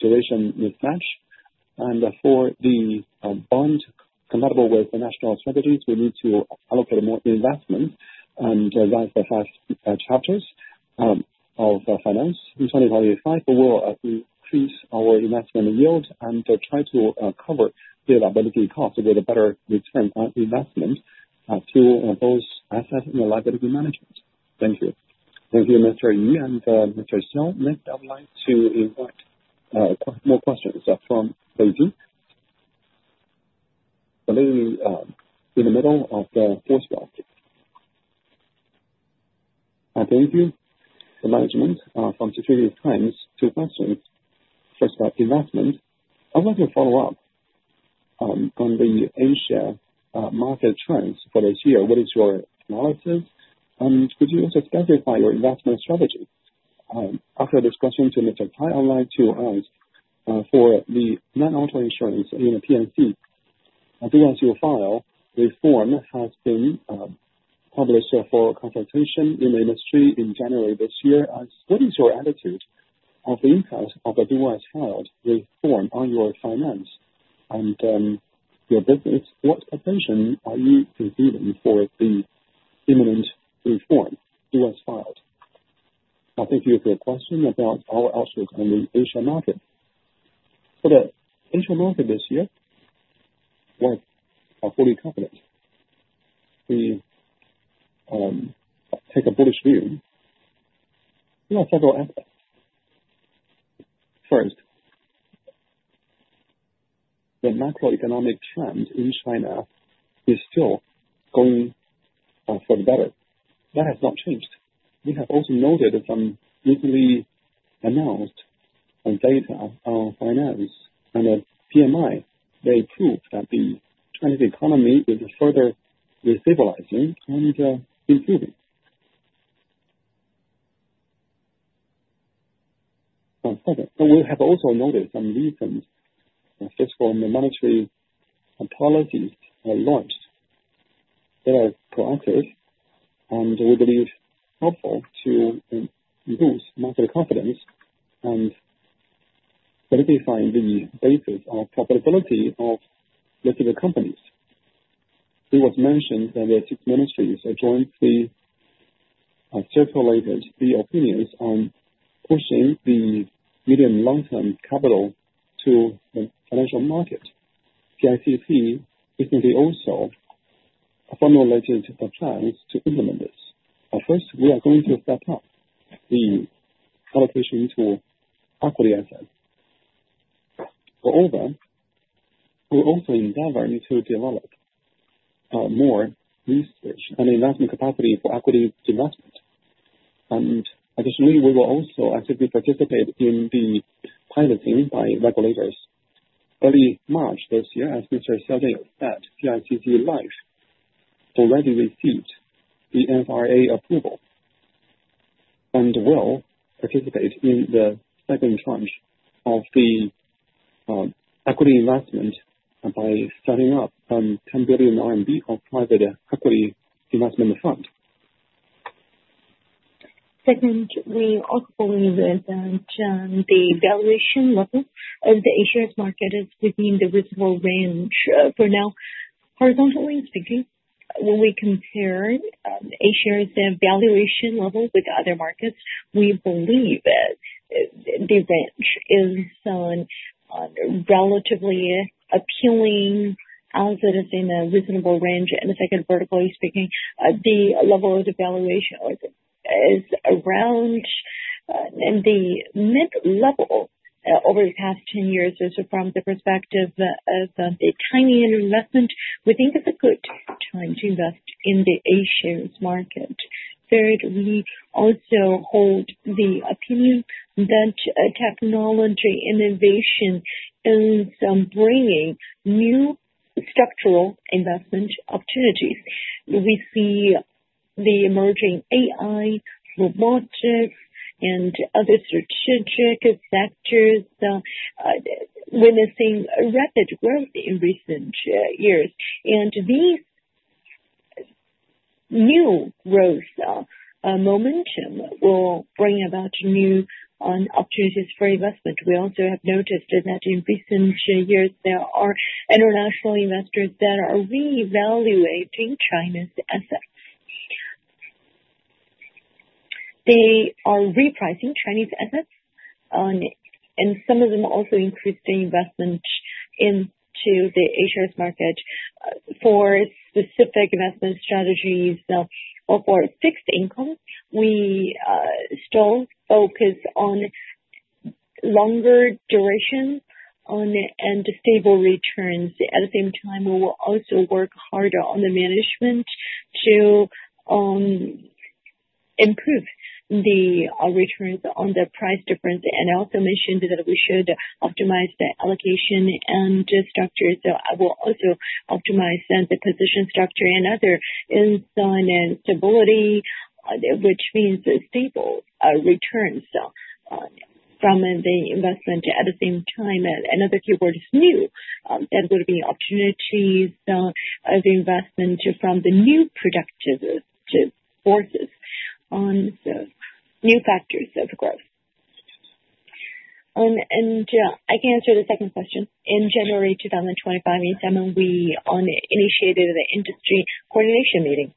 duration mismatch. For the bond compatible with the national strategies, we need to allocate more investment and advance the fast chapters of finance. In 2025, we will increase our investment yield and try to cover the liability cost with a better return on investment to those assets in the liability management. Thank you. Thank you, Mr. Yu and Mr. Xiao. Next, I would like to invite more questions from Beijing. We're in the middle of the fourth block. Thank you. The management from Security Times, two questions. First, investment. I want to follow up on the Asia market trends for this year. What is your analysis? And could you also specify your investment strategy? After this question to Mr. Cai, I would like to ask for the non-auto insurance in P&C. The DYCO file reform has been published for consultation in the industry in January this year. What is your attitude of the impact of the DYCO file reform on your finance and your business? What preparation are you completing for the imminent reform DYCO file? Thank you for your question about our outlook on the Asia market. For the Asia market this year, we are fully confident. We take a bullish view. There are several aspects. First, the macroeconomic trend in China is still going for the better. That has not changed. We have also noted some recently announced data on finance and PMI. They prove that the Chinese economy is further destabilizing and improving. We have also noticed some recent fiscal and monetary policies launched that are proactive and we believe helpful to boost market confidence and solidify the basis of profitability of particular companies. It was mentioned that the six ministries jointly circulated the opinions on pushing the medium-long term capital to the financial market. PICC recently also formulated the plans to implement this. First, we are going to step up the allocation to equity assets. Moreover, we will also endeavor to develop more research and investment capacity for equity investment. Additionally, we will also actively participate in the piloting by regulators. Early March this year, as Mr. Xiao Jianyu said, PICC Life already received the FRA approval and will participate in the second tranche of the equity investment by setting up a 10 billion RMB private equity investment fund. Second, we also believe that the valuation level of the Asian market is within the reasonable range for now. Horizontally speaking, when we compare Asia's valuation level with other markets, we believe the range is relatively appealing as it is in a reasonable range. Second, vertically speaking, the level of the valuation is around the mid-level over the past 10 years from the perspective of the tiny investment. We think it's a good time to invest in the Asian market. Third, we also hold the opinion that technology innovation is bringing new structural investment opportunities. We see the emerging AI, robotics, and other strategic sectors witnessing rapid growth in recent years. These new growth momentum will bring about new opportunities for investment. We also have noticed that in recent years, there are international investors that are reevaluating China's assets. They are repricing Chinese assets, and some of them also increase the investment into the Asian market for specific investment strategies. For fixed income, we still focus on longer duration and stable returns. At the same time, we will also work harder on the management to improve the returns on the price difference. I also mentioned that we should optimize the allocation and structure. I will also optimize the position structure and other insight and stability, which means stable returns from the investment. At the same time, another keyword is new. There are going to be opportunities of investment from the new productive forces, new factors of growth. I can answer the second question. In January 2025, we initiated the industry coordination meeting.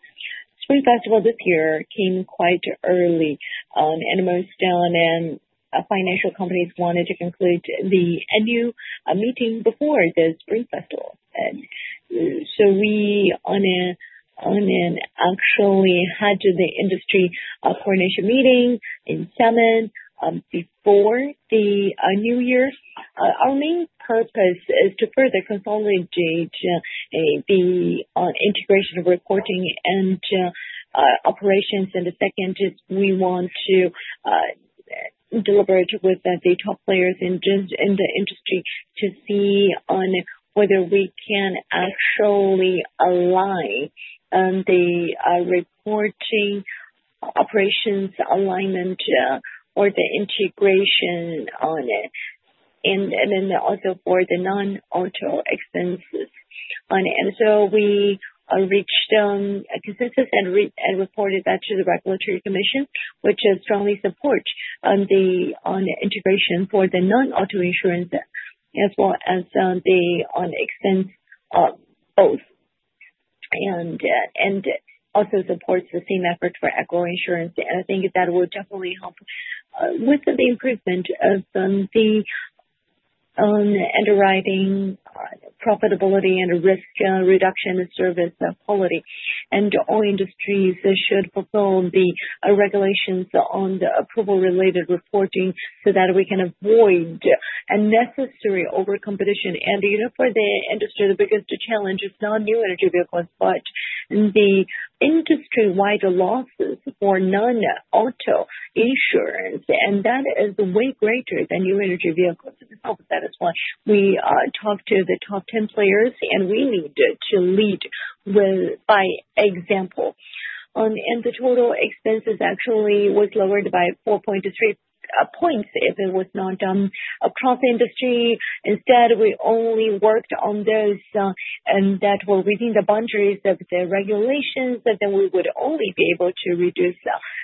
Spring Festival this year came quite early, and most financial companies wanted to conclude the annual meeting before the Spring Festival. We actually had the industry coordination meeting in Beijing before the New Year. Our main purpose is to further consolidate the integration of reporting and operations. Second, we want to deliberate with the top players in the industry to see whether we can actually align the reporting operations alignment or the integration on it. Also for the non-auto expenses. We reached consensus and reported that to the regulatory commission, which strongly supports the integration for the non-auto insurance as well as the expense both, and also supports the same effort for agro insurance. I think that will definitely help with the improvement of the underwriting profitability and risk reduction service quality. All industries should fulfill the regulations on the approval-related reporting so that we can avoid unnecessary over-competition. For the industry, the biggest challenge is not new energy vehicles, but the industry-wide losses for non-auto insurance. That is way greater than new energy vehicles. That is why we talked to the top 10 players, and we need to lead by example. The total expenses actually was lowered by 4.3 percentage points if it was not done across the industry. Instead, we only worked on those that were within the boundaries of the regulations, but then we would only be able to reduce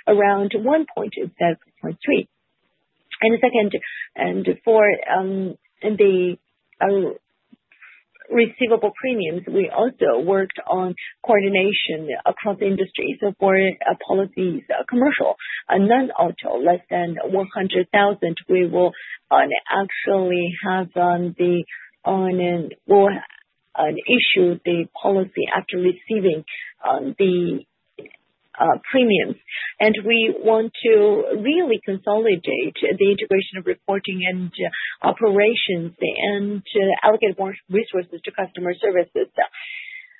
around 1.2. Second, for the receivable premiums, we also worked on coordination across the industry. For policies commercial, non-auto, less than 100,000, we will actually have the issue the policy after receiving the premiums. We want to really consolidate the integration of reporting and operations and allocate more resources to customer services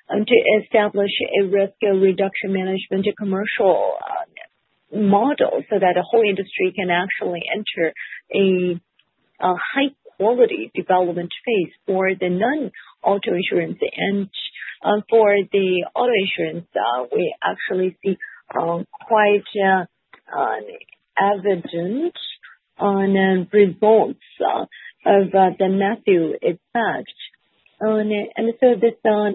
to establish a risk reduction management commercial model so that the whole industry can actually enter a high-quality development phase for the non-auto insurance. For the auto insurance, we actually see quite evident results of the Matthew effect. This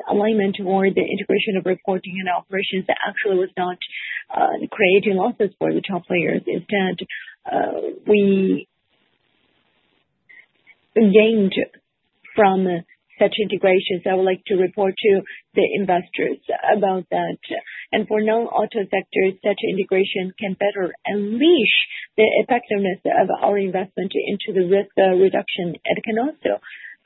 alignment toward the integration of reporting and operations actually was not creating losses for the top players. Instead, we gained from such integrations. I would like to report to the investors about that. For non-auto sectors, such integration can better unleash the effectiveness of our investment into the risk reduction. It can also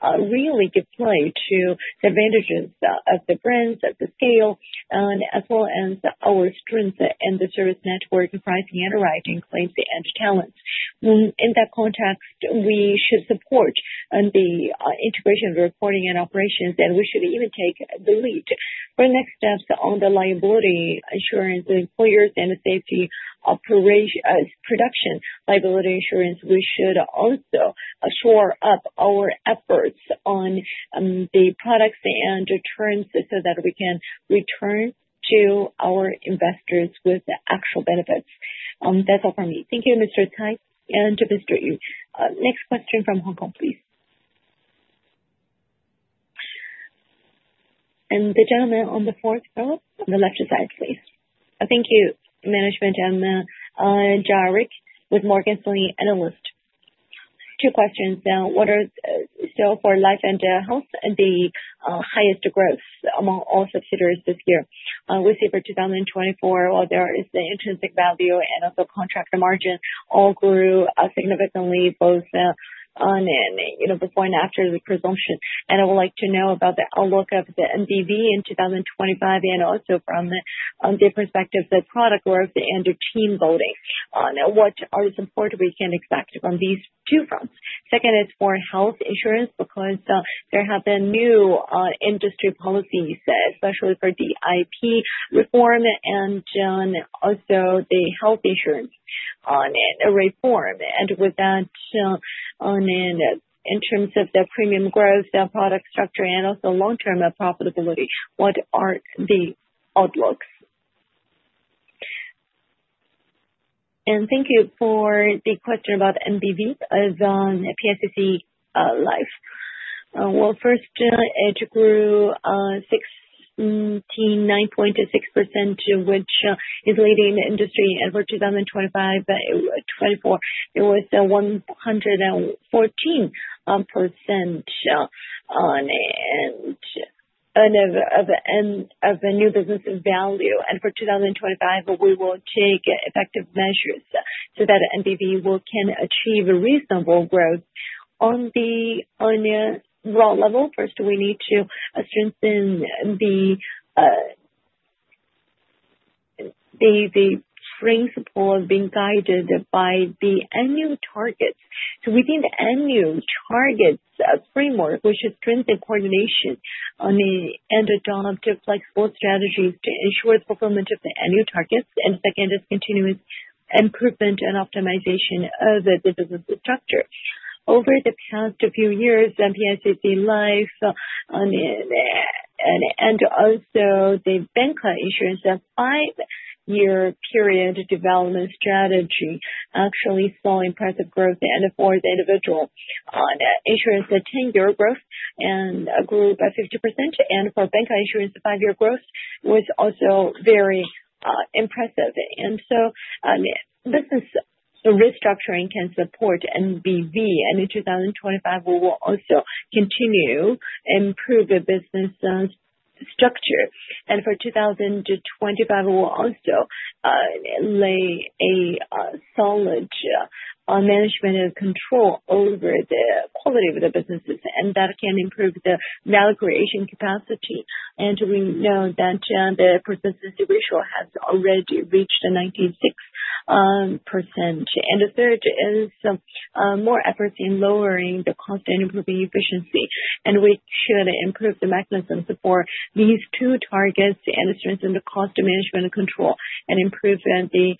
really give play to the advantages of the brands at the scale, as well as our strengths in the service network, pricing, and writing claims and talents. In that context, we should support the integration of reporting and operations, and we should even take the lead for next steps on the liability insurance employers and the safety production liability insurance. We should also shore up our efforts on the products and returns so that we can return to our investors with actual benefits. That's all from me. Thank you, Mr. Cai and Mr. Yu. Next question from Hong Kong, please. The gentleman on the fourth row on the left-hand side, please. Thank you, Management. I'm Jaric with Morgan Stanley Analyst. Two questions. What are still for life and health the highest growth among all subsidiaries this year? We see for 2024, while there is the intrinsic value and also contract margin, all grew significantly both before and after the presumption. I would like to know about the outlook of the MDV in 2025 and also from the perspective of the product growth and team voting. What are the support we can expect from these two fronts? Second is for health insurance because there have been new industry policies, especially for the IP reform and also the health insurance reform. With that, in terms of the premium growth, product structure, and also long-term profitability, what are the outlooks? Thank you for the question about MDV as PICC Life. First, it grew 9.6%, which is leading the industry for 2024. It was 114% of new business value. For 2025, we will take effective measures so that MDV can achieve reasonable growth on the raw level. First, we need to strengthen the spring support being guided by the annual targets. Within the annual targets framework, we should strengthen coordination and adopt flexible strategies to ensure the fulfillment of the annual targets. Second is continuous improvement and optimization of the business structure. Over the past few years, PICC Life and also the Bank Insurance, a five-year period development strategy actually saw impressive growth. For the individual insurance, a 10-year growth grew by 50%. For Bank Insurance, a five-year growth was also very impressive. Business restructuring can support MDV. In 2025, we will also continue to improve the business structure. For 2025, we will also lay a solid management control over the quality of the businesses. That can improve the value creation capacity. We know that the percentage ratio has already reached 96%. The third is more efforts in lowering the cost and improving efficiency. We should improve the mechanisms for these two targets and strengthen the cost management control and improve the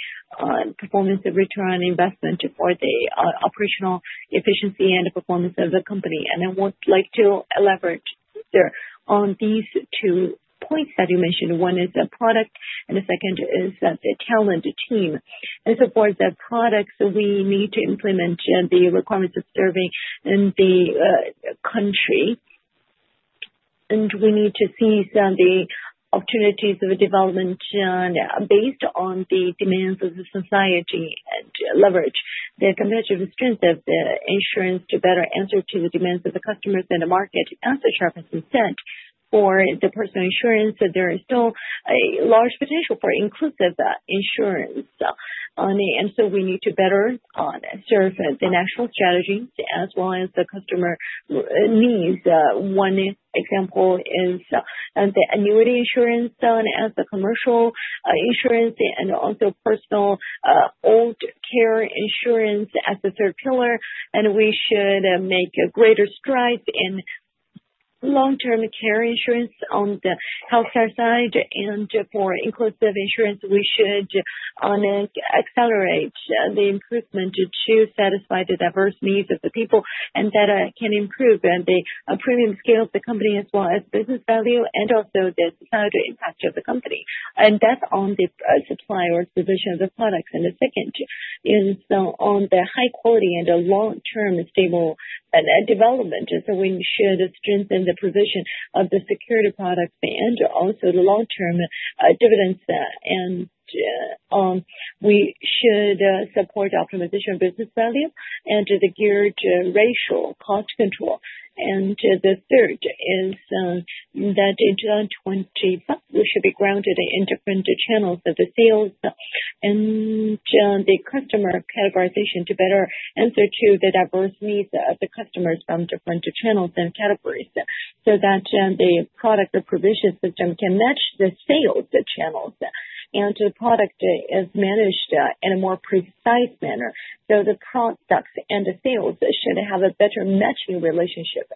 performance of return on investment for the operational efficiency and performance of the company. I would like to elaborate on these two points that you mentioned. One is the product, and the second is the talent team. For the products, we need to implement the requirements of serving in the country. We need to seize the opportunities of development based on the demands of the society and leverage the competitive strength of the insurance to better answer to the demands of the customers and the market. As the sharpest incent for the personal insurance, there is still a large potential for inclusive insurance. We need to better serve the national strategies as well as the customer needs. One example is the annuity insurance as the commercial insurance and also personal old care insurance as the third pillar. We should make greater strides in long-term care insurance on the healthcare side. For inclusive insurance, we should accelerate the improvement to satisfy the diverse needs of the people and that can improve the premium scale of the company as well as business value and also the societal impact of the company. That is on the supplier's position of the products. The second is on the high quality and long-term stable development. We should strengthen the position of the security products and also the long-term dividends. We should support optimization of business value and the geared ratio cost control. The third is that in 2025, we should be grounded in different channels of the sales and the customer categorization to better answer to the diverse needs of the customers from different channels and categories so that the product provision system can match the sales channels and the product is managed in a more precise manner. The products and the sales should have a better matching relationship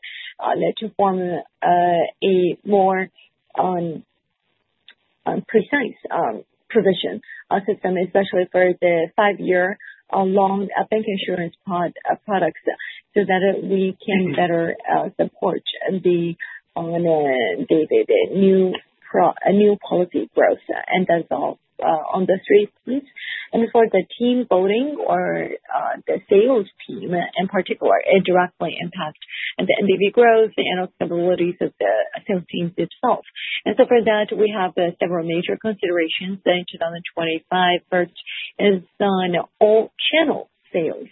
to form a more precise provision system, especially for the five-year long bank insurance products, so that we can better support the new policy growth. That's all on the three, please. For the team voting or the sales team in particular, it directly impacts the MDV growth and the stability of the sales teams itself. For that, we have several major considerations in 2025. First is all-channel sales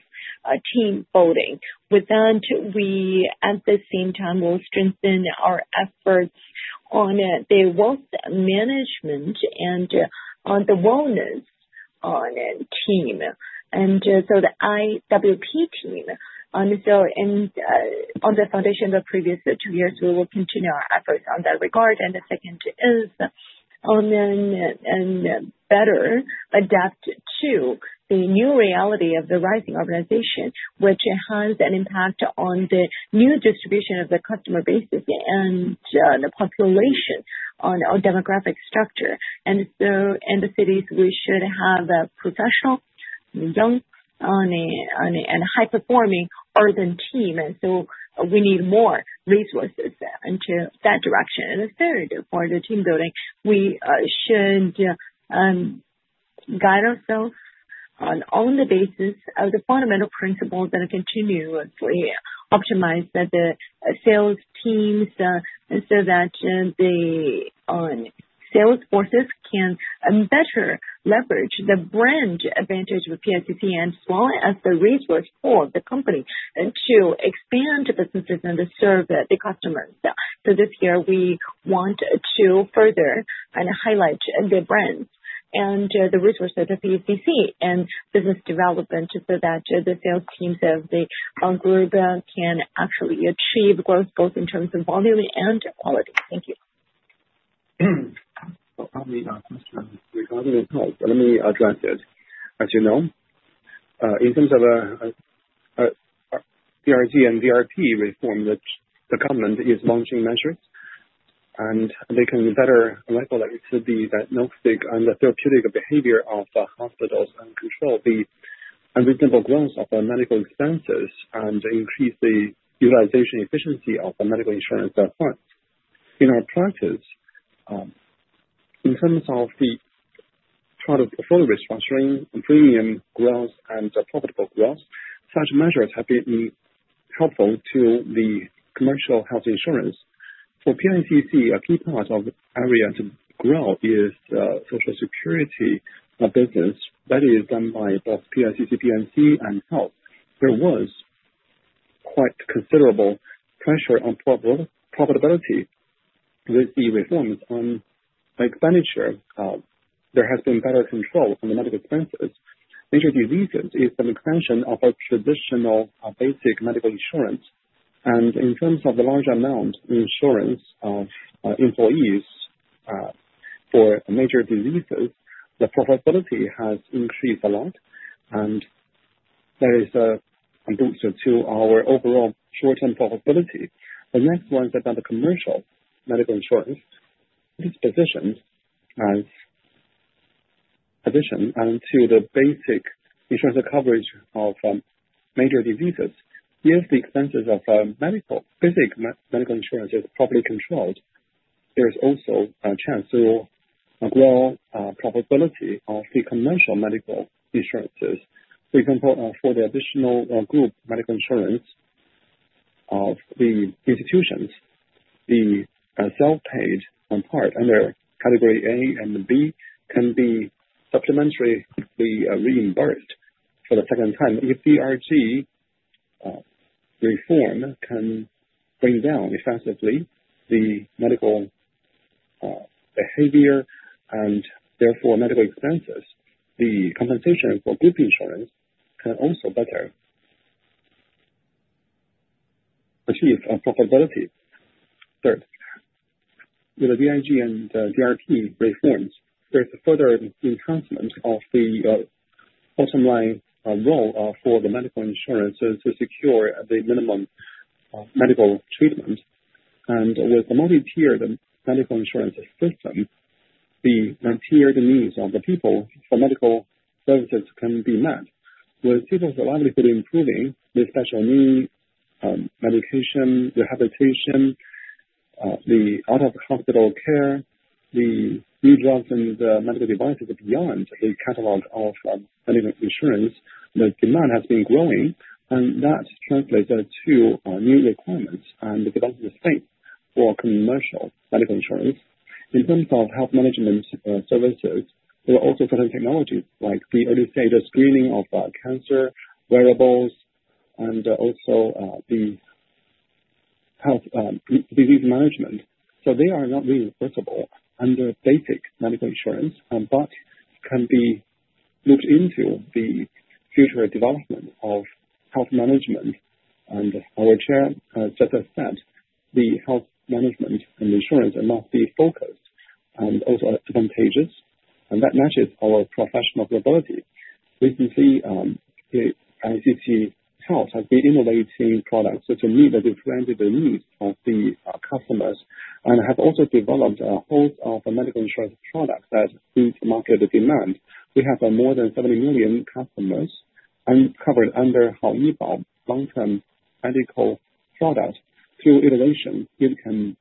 team voting. With that, we at the same time will strengthen our efforts on the wealth management and on the wellness team, and the IWP team. On the foundation of the previous two years, we will continue our efforts on that regard. The second is to better adapt to the new reality of the rising organization, which has an impact on the new distribution of the customer bases and the population on our demographic structure. In the cities, we should have a professional, young, and high-performing urban team. We need more resources into that direction. The third, for the team building, we should guide ourselves on the basis of the fundamental principles and continuously optimize the sales teams so that the sales forces can better leverage the brand advantage of PICC as well as the resource for the company to expand the businesses and to serve the customers. This year, we want to further highlight the brands and the resources of PICC and business development so that the sales teams of the group can actually achieve growth both in terms of volume and quality. Thank you. Let me address it. As you know, in terms of the CRC and VRP reform that the government is launching measures, they can better regulate the no-physical and the therapeutic behavior of hospitals and control the unreasonable growth of medical expenses and increase the utilization efficiency of medical insurance funds. In our practice, in terms of the product portfolio restructuring, premium growth, and profitable growth, such measures have been helpful to the commercial health insurance. For PICC, a key part of the area to grow is social security business that is done by both PICC P&C and health. There was quite considerable pressure on profitability with the reforms on expenditure. There has been better control on the medical expenses. Major diseases is an extension of our traditional basic medical insurance. In terms of the large amount insurance of employees for major diseases, the profitability has increased a lot, and that is a boost to our overall short-term profitability. The next one is about the commercial medical insurance. This position has addition to the basic insurance coverage of major diseases. If the expenses of basic medical insurance are properly controlled, there is also a chance to grow profitability of the commercial medical insurances. For example, for the additional group medical insurance of the institutions, the self-paid part under category A and B can be supplementally reimbursed for the second time. If CRC reform can bring down effectively the medical behavior and therefore medical expenses, the compensation for group insurance can also better achieve profitability. Third, with the DIG and DRP reforms, there is further enhancement of the bottom line role for the medical insurance to secure the minimum medical treatment. With the multi-tiered medical insurance system, the tiered needs of the people for medical services can be met. With people's livelihood improving, the special needs, medication, rehabilitation, the out-of-hospital care, the new drugs and the medical devices beyond the catalog of medical insurance, the demand has been growing, and that translates to new requirements and development of space for commercial medical insurance. In terms of health management services, there are also certain technologies like the early stage screening of cancer wearables and also the health disease management. They are not reimbursable under basic medical insurance, but can be looked into the future development of health management. Our Chair just as said, the health management and insurance must be focused and also advantageous, and that matches our professional ability. Recently, PICC Health has been innovating products to meet the different needs of the customers and has also developed a whole of medical insurance products that meet market demand. We have more than 70 million customers and covered under HALIPA long-term medical products. Through innovation, it can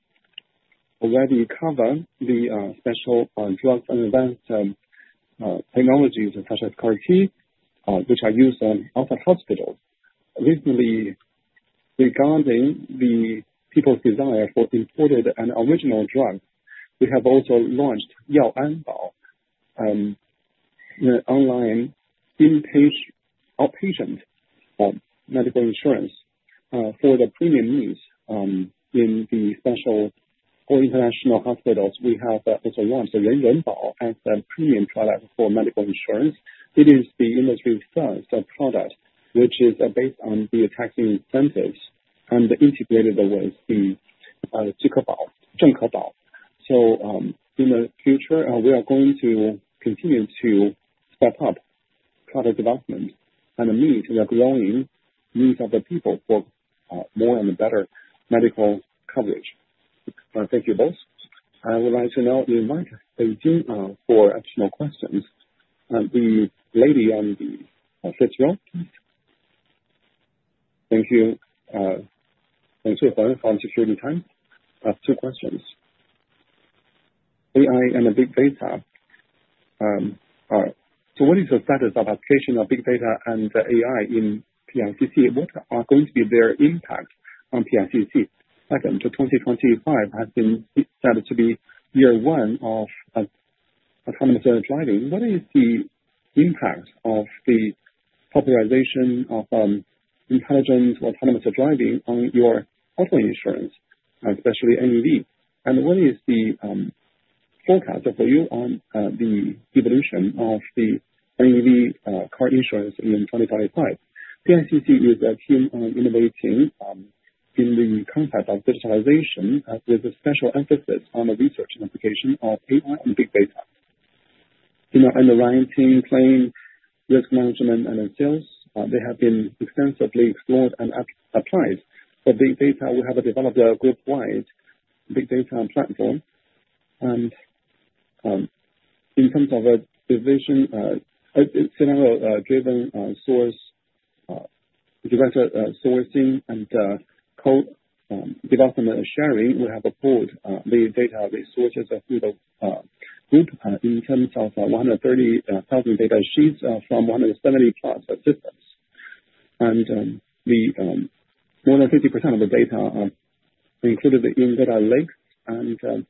already cover the special drugs and advanced technologies such as CAR-T, which are used in outside hospitals. Recently, regarding the people's desire for imported and original drugs, we have also launched Yao Anbao, an online in-patient outpatient medical insurance for the premium needs in the special or international hospitals. We have also launched Ren Renbao as a premium product for medical insurance. It is the industry-first product, which is based on the tax incentives and integrated with the Zhenghebao. In the future, we are going to continue to step up product development and meet the growing needs of the people for more and better medical coverage. Thank you both. I would like to now invite Beijing for additional questions. The lady on the fifth row, please. Thank you. Thanks for the time for securing time. Two questions. AI and big data. What is the status of application of big data and AI in PICC? What are going to be their impacts on PICC? Second, 2025 has been said to be year one of autonomous driving. What is the impact of the popularization of intelligent autonomous driving on your auto insurance, especially NEV? What is the forecast for you on the evolution of the NEV car insurance in 2025? PICC is a team innovating in the concept of digitalization with a special emphasis on the research and application of AI and big data. In our underlying team, claim, risk management, and sales, they have been extensively explored and applied. For big data, we have developed a group-wide big data platform. In terms of a decision scenario-driven source, direct sourcing, and code development sharing, we have pulled the data resources through the group in terms of 130,000 data sheets from 170-plus systems. More than 50% of the data included in data lakes, and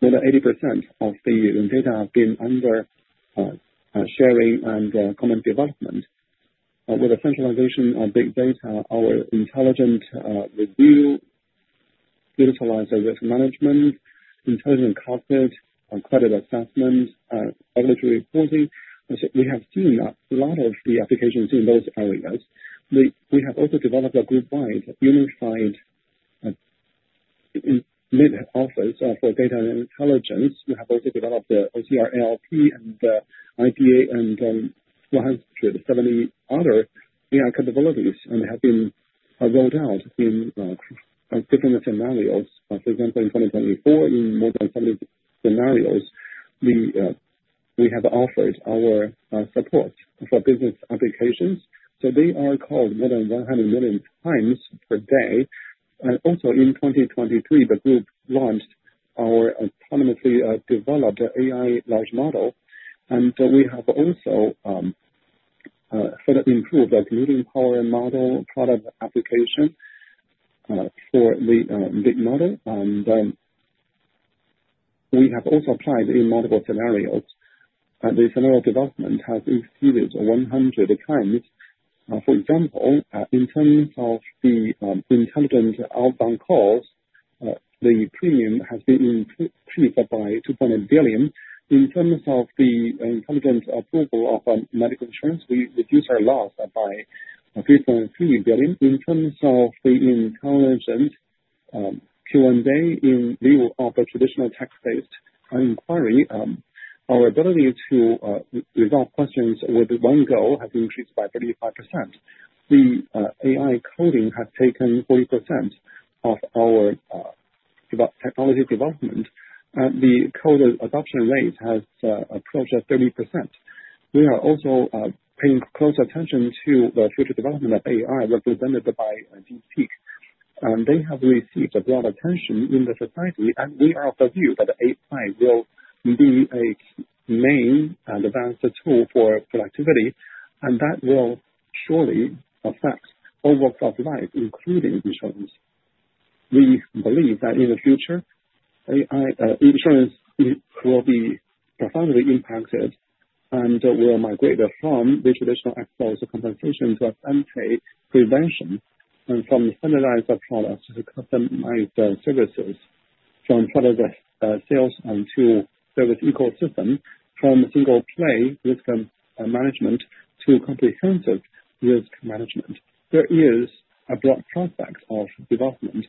more than 80% of the data have been under sharing and common development. With the centralization of big data, our intelligent review, digitalized risk management, intelligent costs, credit assessment, regulatory reporting, we have seen a lot of the applications in those areas. We have also developed a group-wide unified office for data and intelligence. We have also developed the OCR, ALP, and IPA, and 170 other AI capabilities, and they have been rolled out in different scenarios. For example, in 2024, in more than 70 scenarios, we have offered our support for business applications. They are called more than 100 million times per day. In 2023, the group launched our autonomously developed AI large model. We have also further improved a computing power model product application for the big model. We have also applied in multiple scenarios. The scenario development has exceeded 100x. For example, in terms of the intelligent outbound calls, the premium has been increased by 2.8 billion. In terms of the intelligent approval of medical insurance, we reduce our loss by 3.3 billion. In terms of the intelligent Q&A in lieu of a traditional text-based inquiry, our ability to resolve questions with one goal has increased by 35%. The AI coding has taken 40% of our technology development, and the code adoption rate has approached 30%. We are also paying close attention to the future development of AI represented by DeepSeek. They have received broad attention in the society, and we are of the view that AI will be a main advanced tool for productivity, and that will surely affect overall life including insurance. We believe that in the future, AI insurance will be profoundly impacted and will migrate from the traditional exposure compensation to a sanitary prevention and from standardized products to customized services, from product sales to service ecosystem, from single-play risk management to comprehensive risk management. There is a broad prospect of development.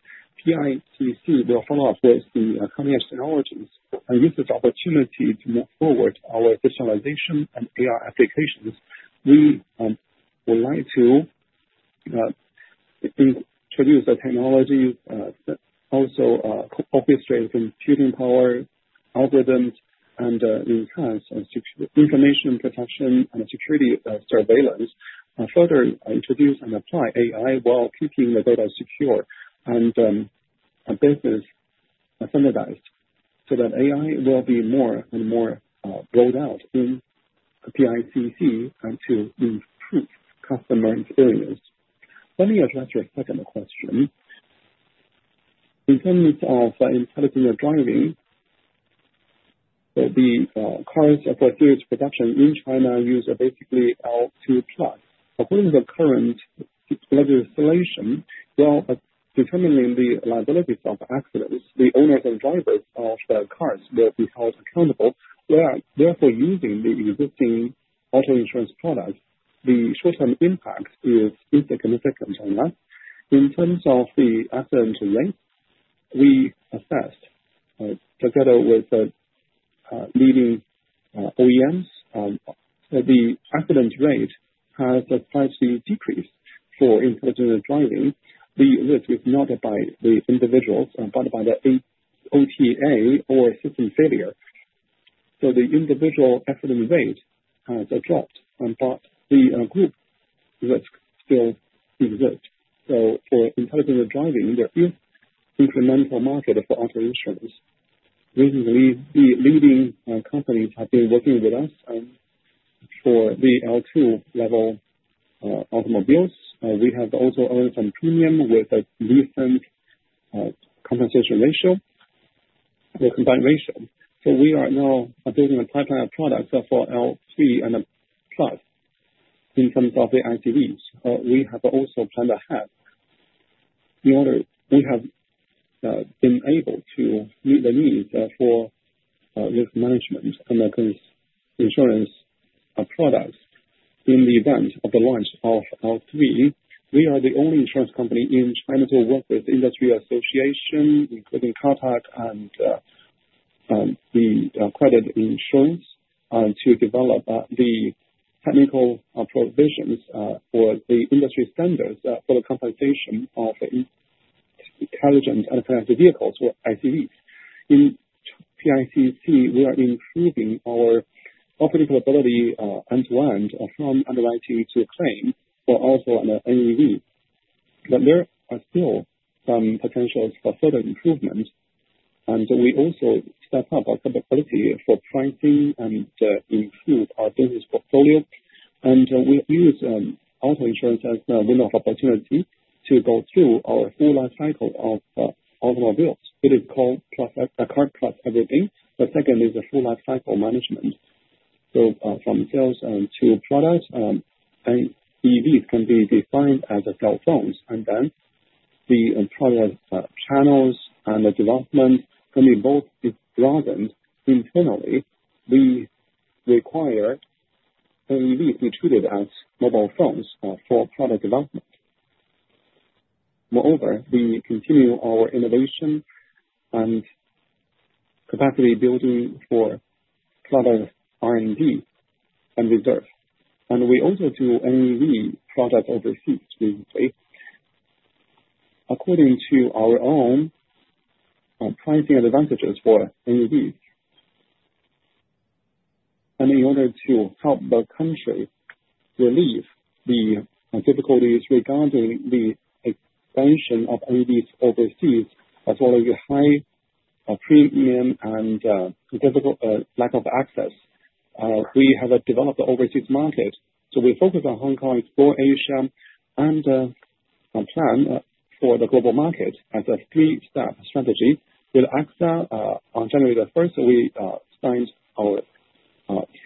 PICC will follow up with the cutting-edge technologies and use this opportunity to move forward our digitalization and AI applications. We would like to introduce technologies that also orchestrate computing power, algorithms, and enhance information protection and security surveillance, further introduce and apply AI while keeping the data secure and business standardized so that AI will be more and more rolled out in PICC and to improve customer experience. Let me address your second question. In terms of intelligent driving, the cars for series production in China use basically L2 Plus. According to the current legislation, while determining the liabilities of accidents, the owners and drivers of the cars will be held accountable. Therefore, using the existing auto insurance product, the short-term impact is insignificant or less. In terms of the accident rate, we assessed together with leading OEMs, the accident rate has slightly decreased for intelligent driving. The risk is not by the individuals, but by the OTA or system failure. The individual accident rate has dropped, but the group risk still exists. For intelligent driving, there is incremental market for auto insurance. Recently, the leading companies have been working with us for the L2 level automobiles. We have also earned some premium with a decent compensation ratio or combined ratio. We are now building a pipeline of products for L3 and Plus in terms of the ICVs. We have also planned ahead. In order, we have been able to meet the needs for risk management and insurance products in the event of the launch of L3. We are the only insurance company in China to work with the industry association, including Caltech and the credit insurance, to develop the technical provisions for the industry standards for the compensation of intelligent and connected vehicles or ICVs. In PICC, we are improving our operating capability end-to-end from underwriting to claim for also an NEV. There are still some potentials for further improvement. We also step up our capability for pricing and improve our business portfolio. We use auto insurance as a window of opportunity to go through our full life cycle of automobiles. It is called CART Plus Everything. The second is full life cycle management. From sales to products, NEVs can be defined as cell phones. The product channels and the development can be both broadened internally. We require NEVs to be treated as mobile phones for product development. Moreover, we continue our innovation and capacity building for product R&D and research. We also do NEV projects overseas recently, according to our own pricing advantages for NEVs. In order to help the country relieve the difficulties regarding the expansion of NEVs overseas, as well as the high premium and difficult lack of access, we have developed an overseas market. We focus on Hong Kong, Explore Asia, and plan for the global market as a three-step strategy. With AXA, on January the 1st, we signed our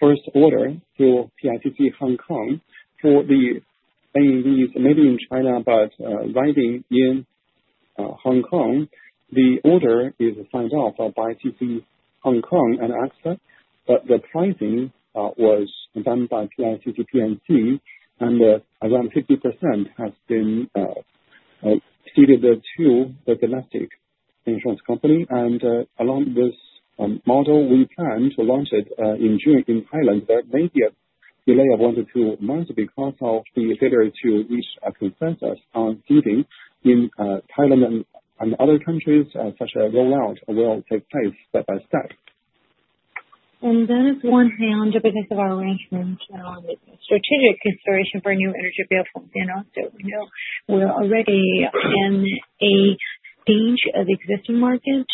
first order through PICC Hong Kong for the NEVs, maybe in China, but riding in Hong Kong. The order is signed off by PICC Hong Kong and AXA, but the pricing was done by PICC P&C, and around 50% has been seeded to the domestic insurance company. Along this model, we plan to launch it in Thailand. There may be a delay of one to two months because of the failure to reach a consensus on seeding in Thailand and other countries. Such a rollout will take place step by step. That is on one hand because of our arrangement and strategic consideration for new energy vehicles in Austin. We're already in a stage of existing market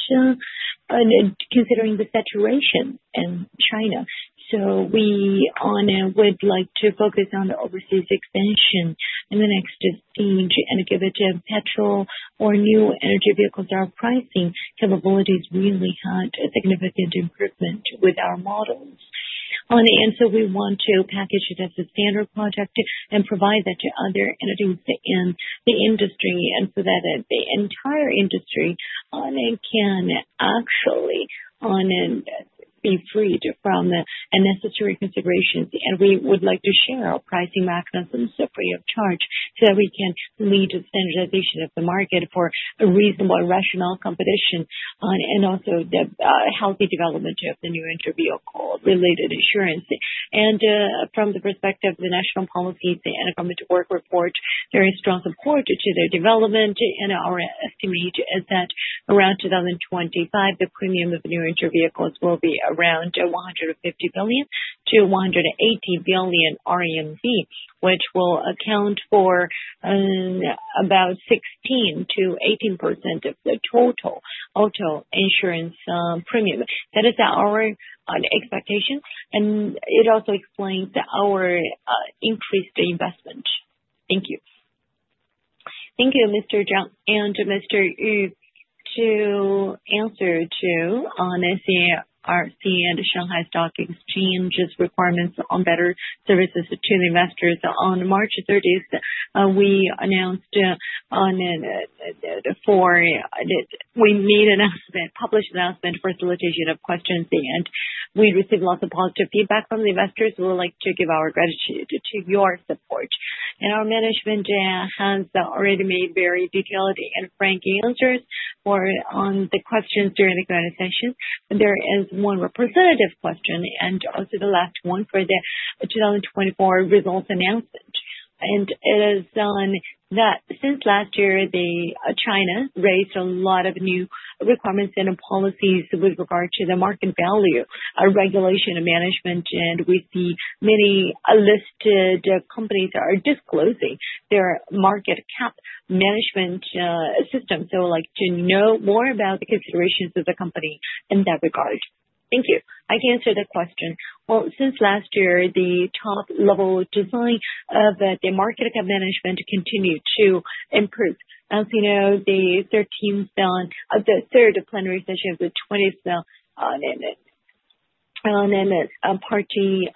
considering the saturation in China. We would like to focus on the overseas expansion in the next stage and give it to petrol or new energy vehicles. Our pricing capabilities really had a significant improvement with our models. We want to package it as a standard product and provide that to other entities in the industry so that the entire industry can actually be freed from the necessary considerations. We would like to share our pricing mechanisms free of charge so that we can lead to standardization of the market for a reasonable rationale competition and also the healthy development of the new energy vehicle-related insurance. From the perspective of the National Policy and Government to Work report, there is strong support to their development. Our estimate is that around 2025, the premium of new energy vehicles will be around 150 billion-180 billion RMB, which will account for about 16%-18% of the total auto insurance premium. That is our expectation, and it also explains our increased investment. Thank you. Thank you, Mr. Zhang and Mr. Yu. To answer to NSERC and Shanghai Stock Exchange's requirements on better services to the investors, on March 30, we announced that we made an announcement, published an announcement for solicitation of questions, and we received lots of positive feedback from the investors. We would like to give our gratitude to your support. Our management has already made very detailed and frank answers on the questions during the current session. There is one representative question and also the last one for the 2024 results announcement. It is that since last year, China raised a lot of new requirements and policies with regard to the market value, regulation, and management, and we see many listed companies are disclosing their market cap management system. I would like to know more about the considerations of the company in that regard. Thank you. I can answer the question. Since last year, the top-level design of the market cap management continued to improve. As you know, the 13th, the third plenary session of the 20th party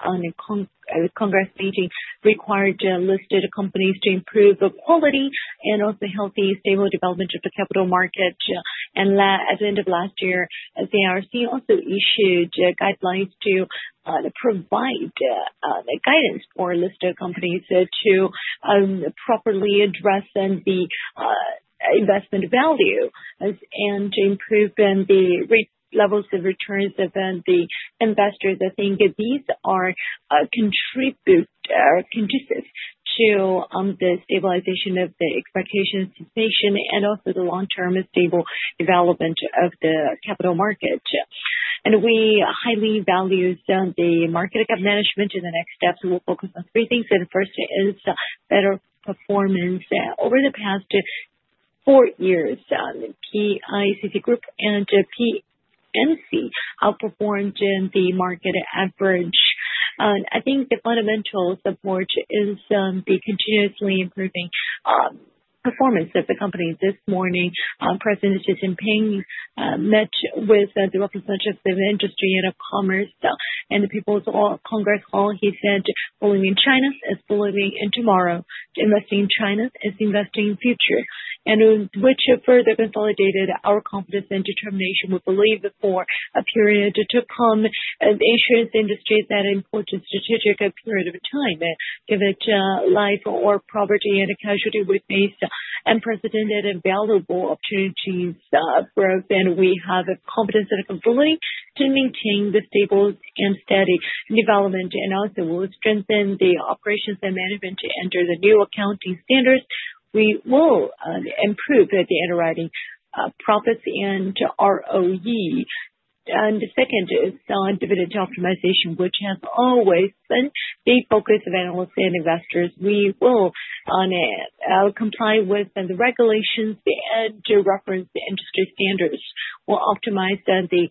Congress meeting required listed companies to improve quality and also healthy, stable development of the capital market. At the end of last year, CRC also issued guidelines to provide guidance for listed companies to properly address the investment value and to improve the rate levels of returns of the investors. I think these are conducive to the stabilization of the expectations and also the long-term stable development of the capital market. We highly value the market cap management. In the next steps, we'll focus on three things. The first is better performance. Over the past four years, PICC Group and PICC P&C outperformed the market average. I think the fundamental support is the continuously improving performance of the company. This morning, President Xi Jinping met with the representatives of the industry and of commerce and the people of Congress Hall. He said, "Believing in China is believing in tomorrow. Investing in China is investing in the future." With further consolidated, our confidence and determination, we believe, for a period to come, ensures the industry is at an important strategic period of time. Give it life or property and casualty with these unprecedented and valuable opportunities. We have confidence and the ability to maintain the stable and steady development. We will also strengthen the operations and management to enter the new accounting standards. We will improve the underwriting profits and ROE. The second is dividend optimization, which has always been the focus of analysts and investors. We will comply with the regulations and reference the industry standards. We will optimize the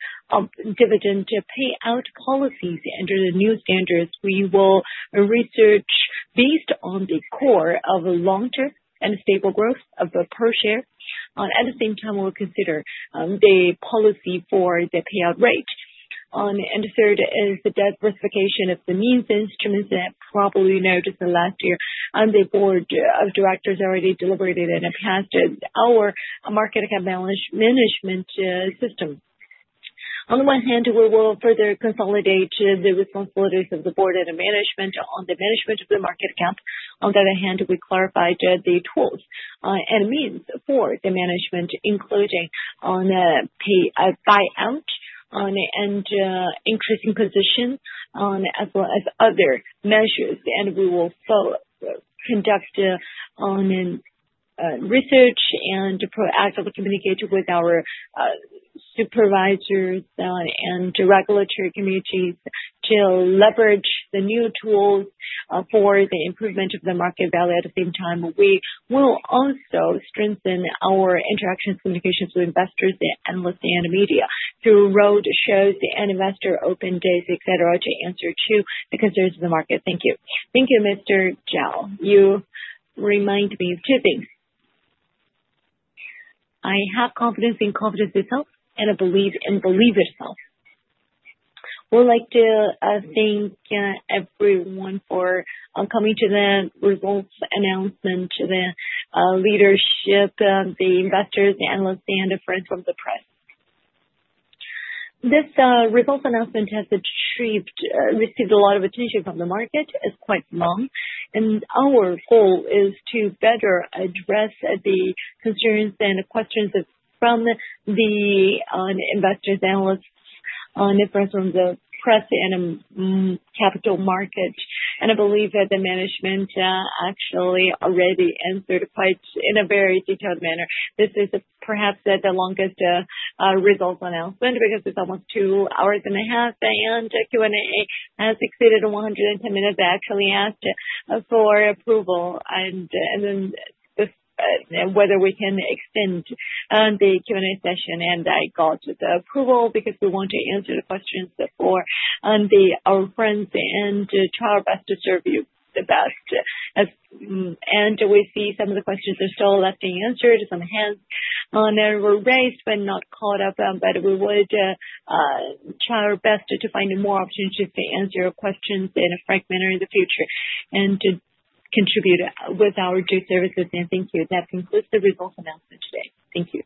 dividend payout policies under the new standards. We will research based on the core of long-term and stable growth of the per share. At the same time, we'll consider the policy for the payout rate. The third is the diversification of the means and instruments that probably noticed last year. The board of directors already deliberated in the past our market cap management system. On the one hand, we will further consolidate the responsibilities of the board and the management on the management of the market cap. On the other hand, we clarified the tools and means for the management, including buyout and increasing position as well as other measures. We will conduct research and proactively communicate with our supervisors and regulatory communities to leverage the new tools for the improvement of the market value. At the same time, we will also strengthen our interactions, communications with investors, and listing and the media through roadshows and investor open days, etc., to answer to the concerns of the market. Thank you. Thank you, Mr. Zhao. You remind me of two things. I have confidence in confidence itself and believe in believe itself. We'd like to thank everyone for coming to the results announcement, the leadership, the investors, the analysts, and friends from the press. This results announcement has received a lot of attention from the market. It's quite long. Our goal is to better address the concerns and questions from the investors, analysts, and friends from the press and capital markets. I believe that the management actually already answered quite in a very detailed manner. This is perhaps the longest results announcement because it's almost two hours and a half, and Q&A has exceeded 110 minutes. I actually asked for approval and whether we can extend the Q&A session. I got the approval because we want to answer the questions for our friends and try our best to serve you the best. We see some of the questions are still left unanswered. Some hands were raised but not caught up. We would try our best to find more opportunities to answer your questions in a frank manner in the future and to contribute with our due services. Thank you. That concludes the results announcement today. Thank you.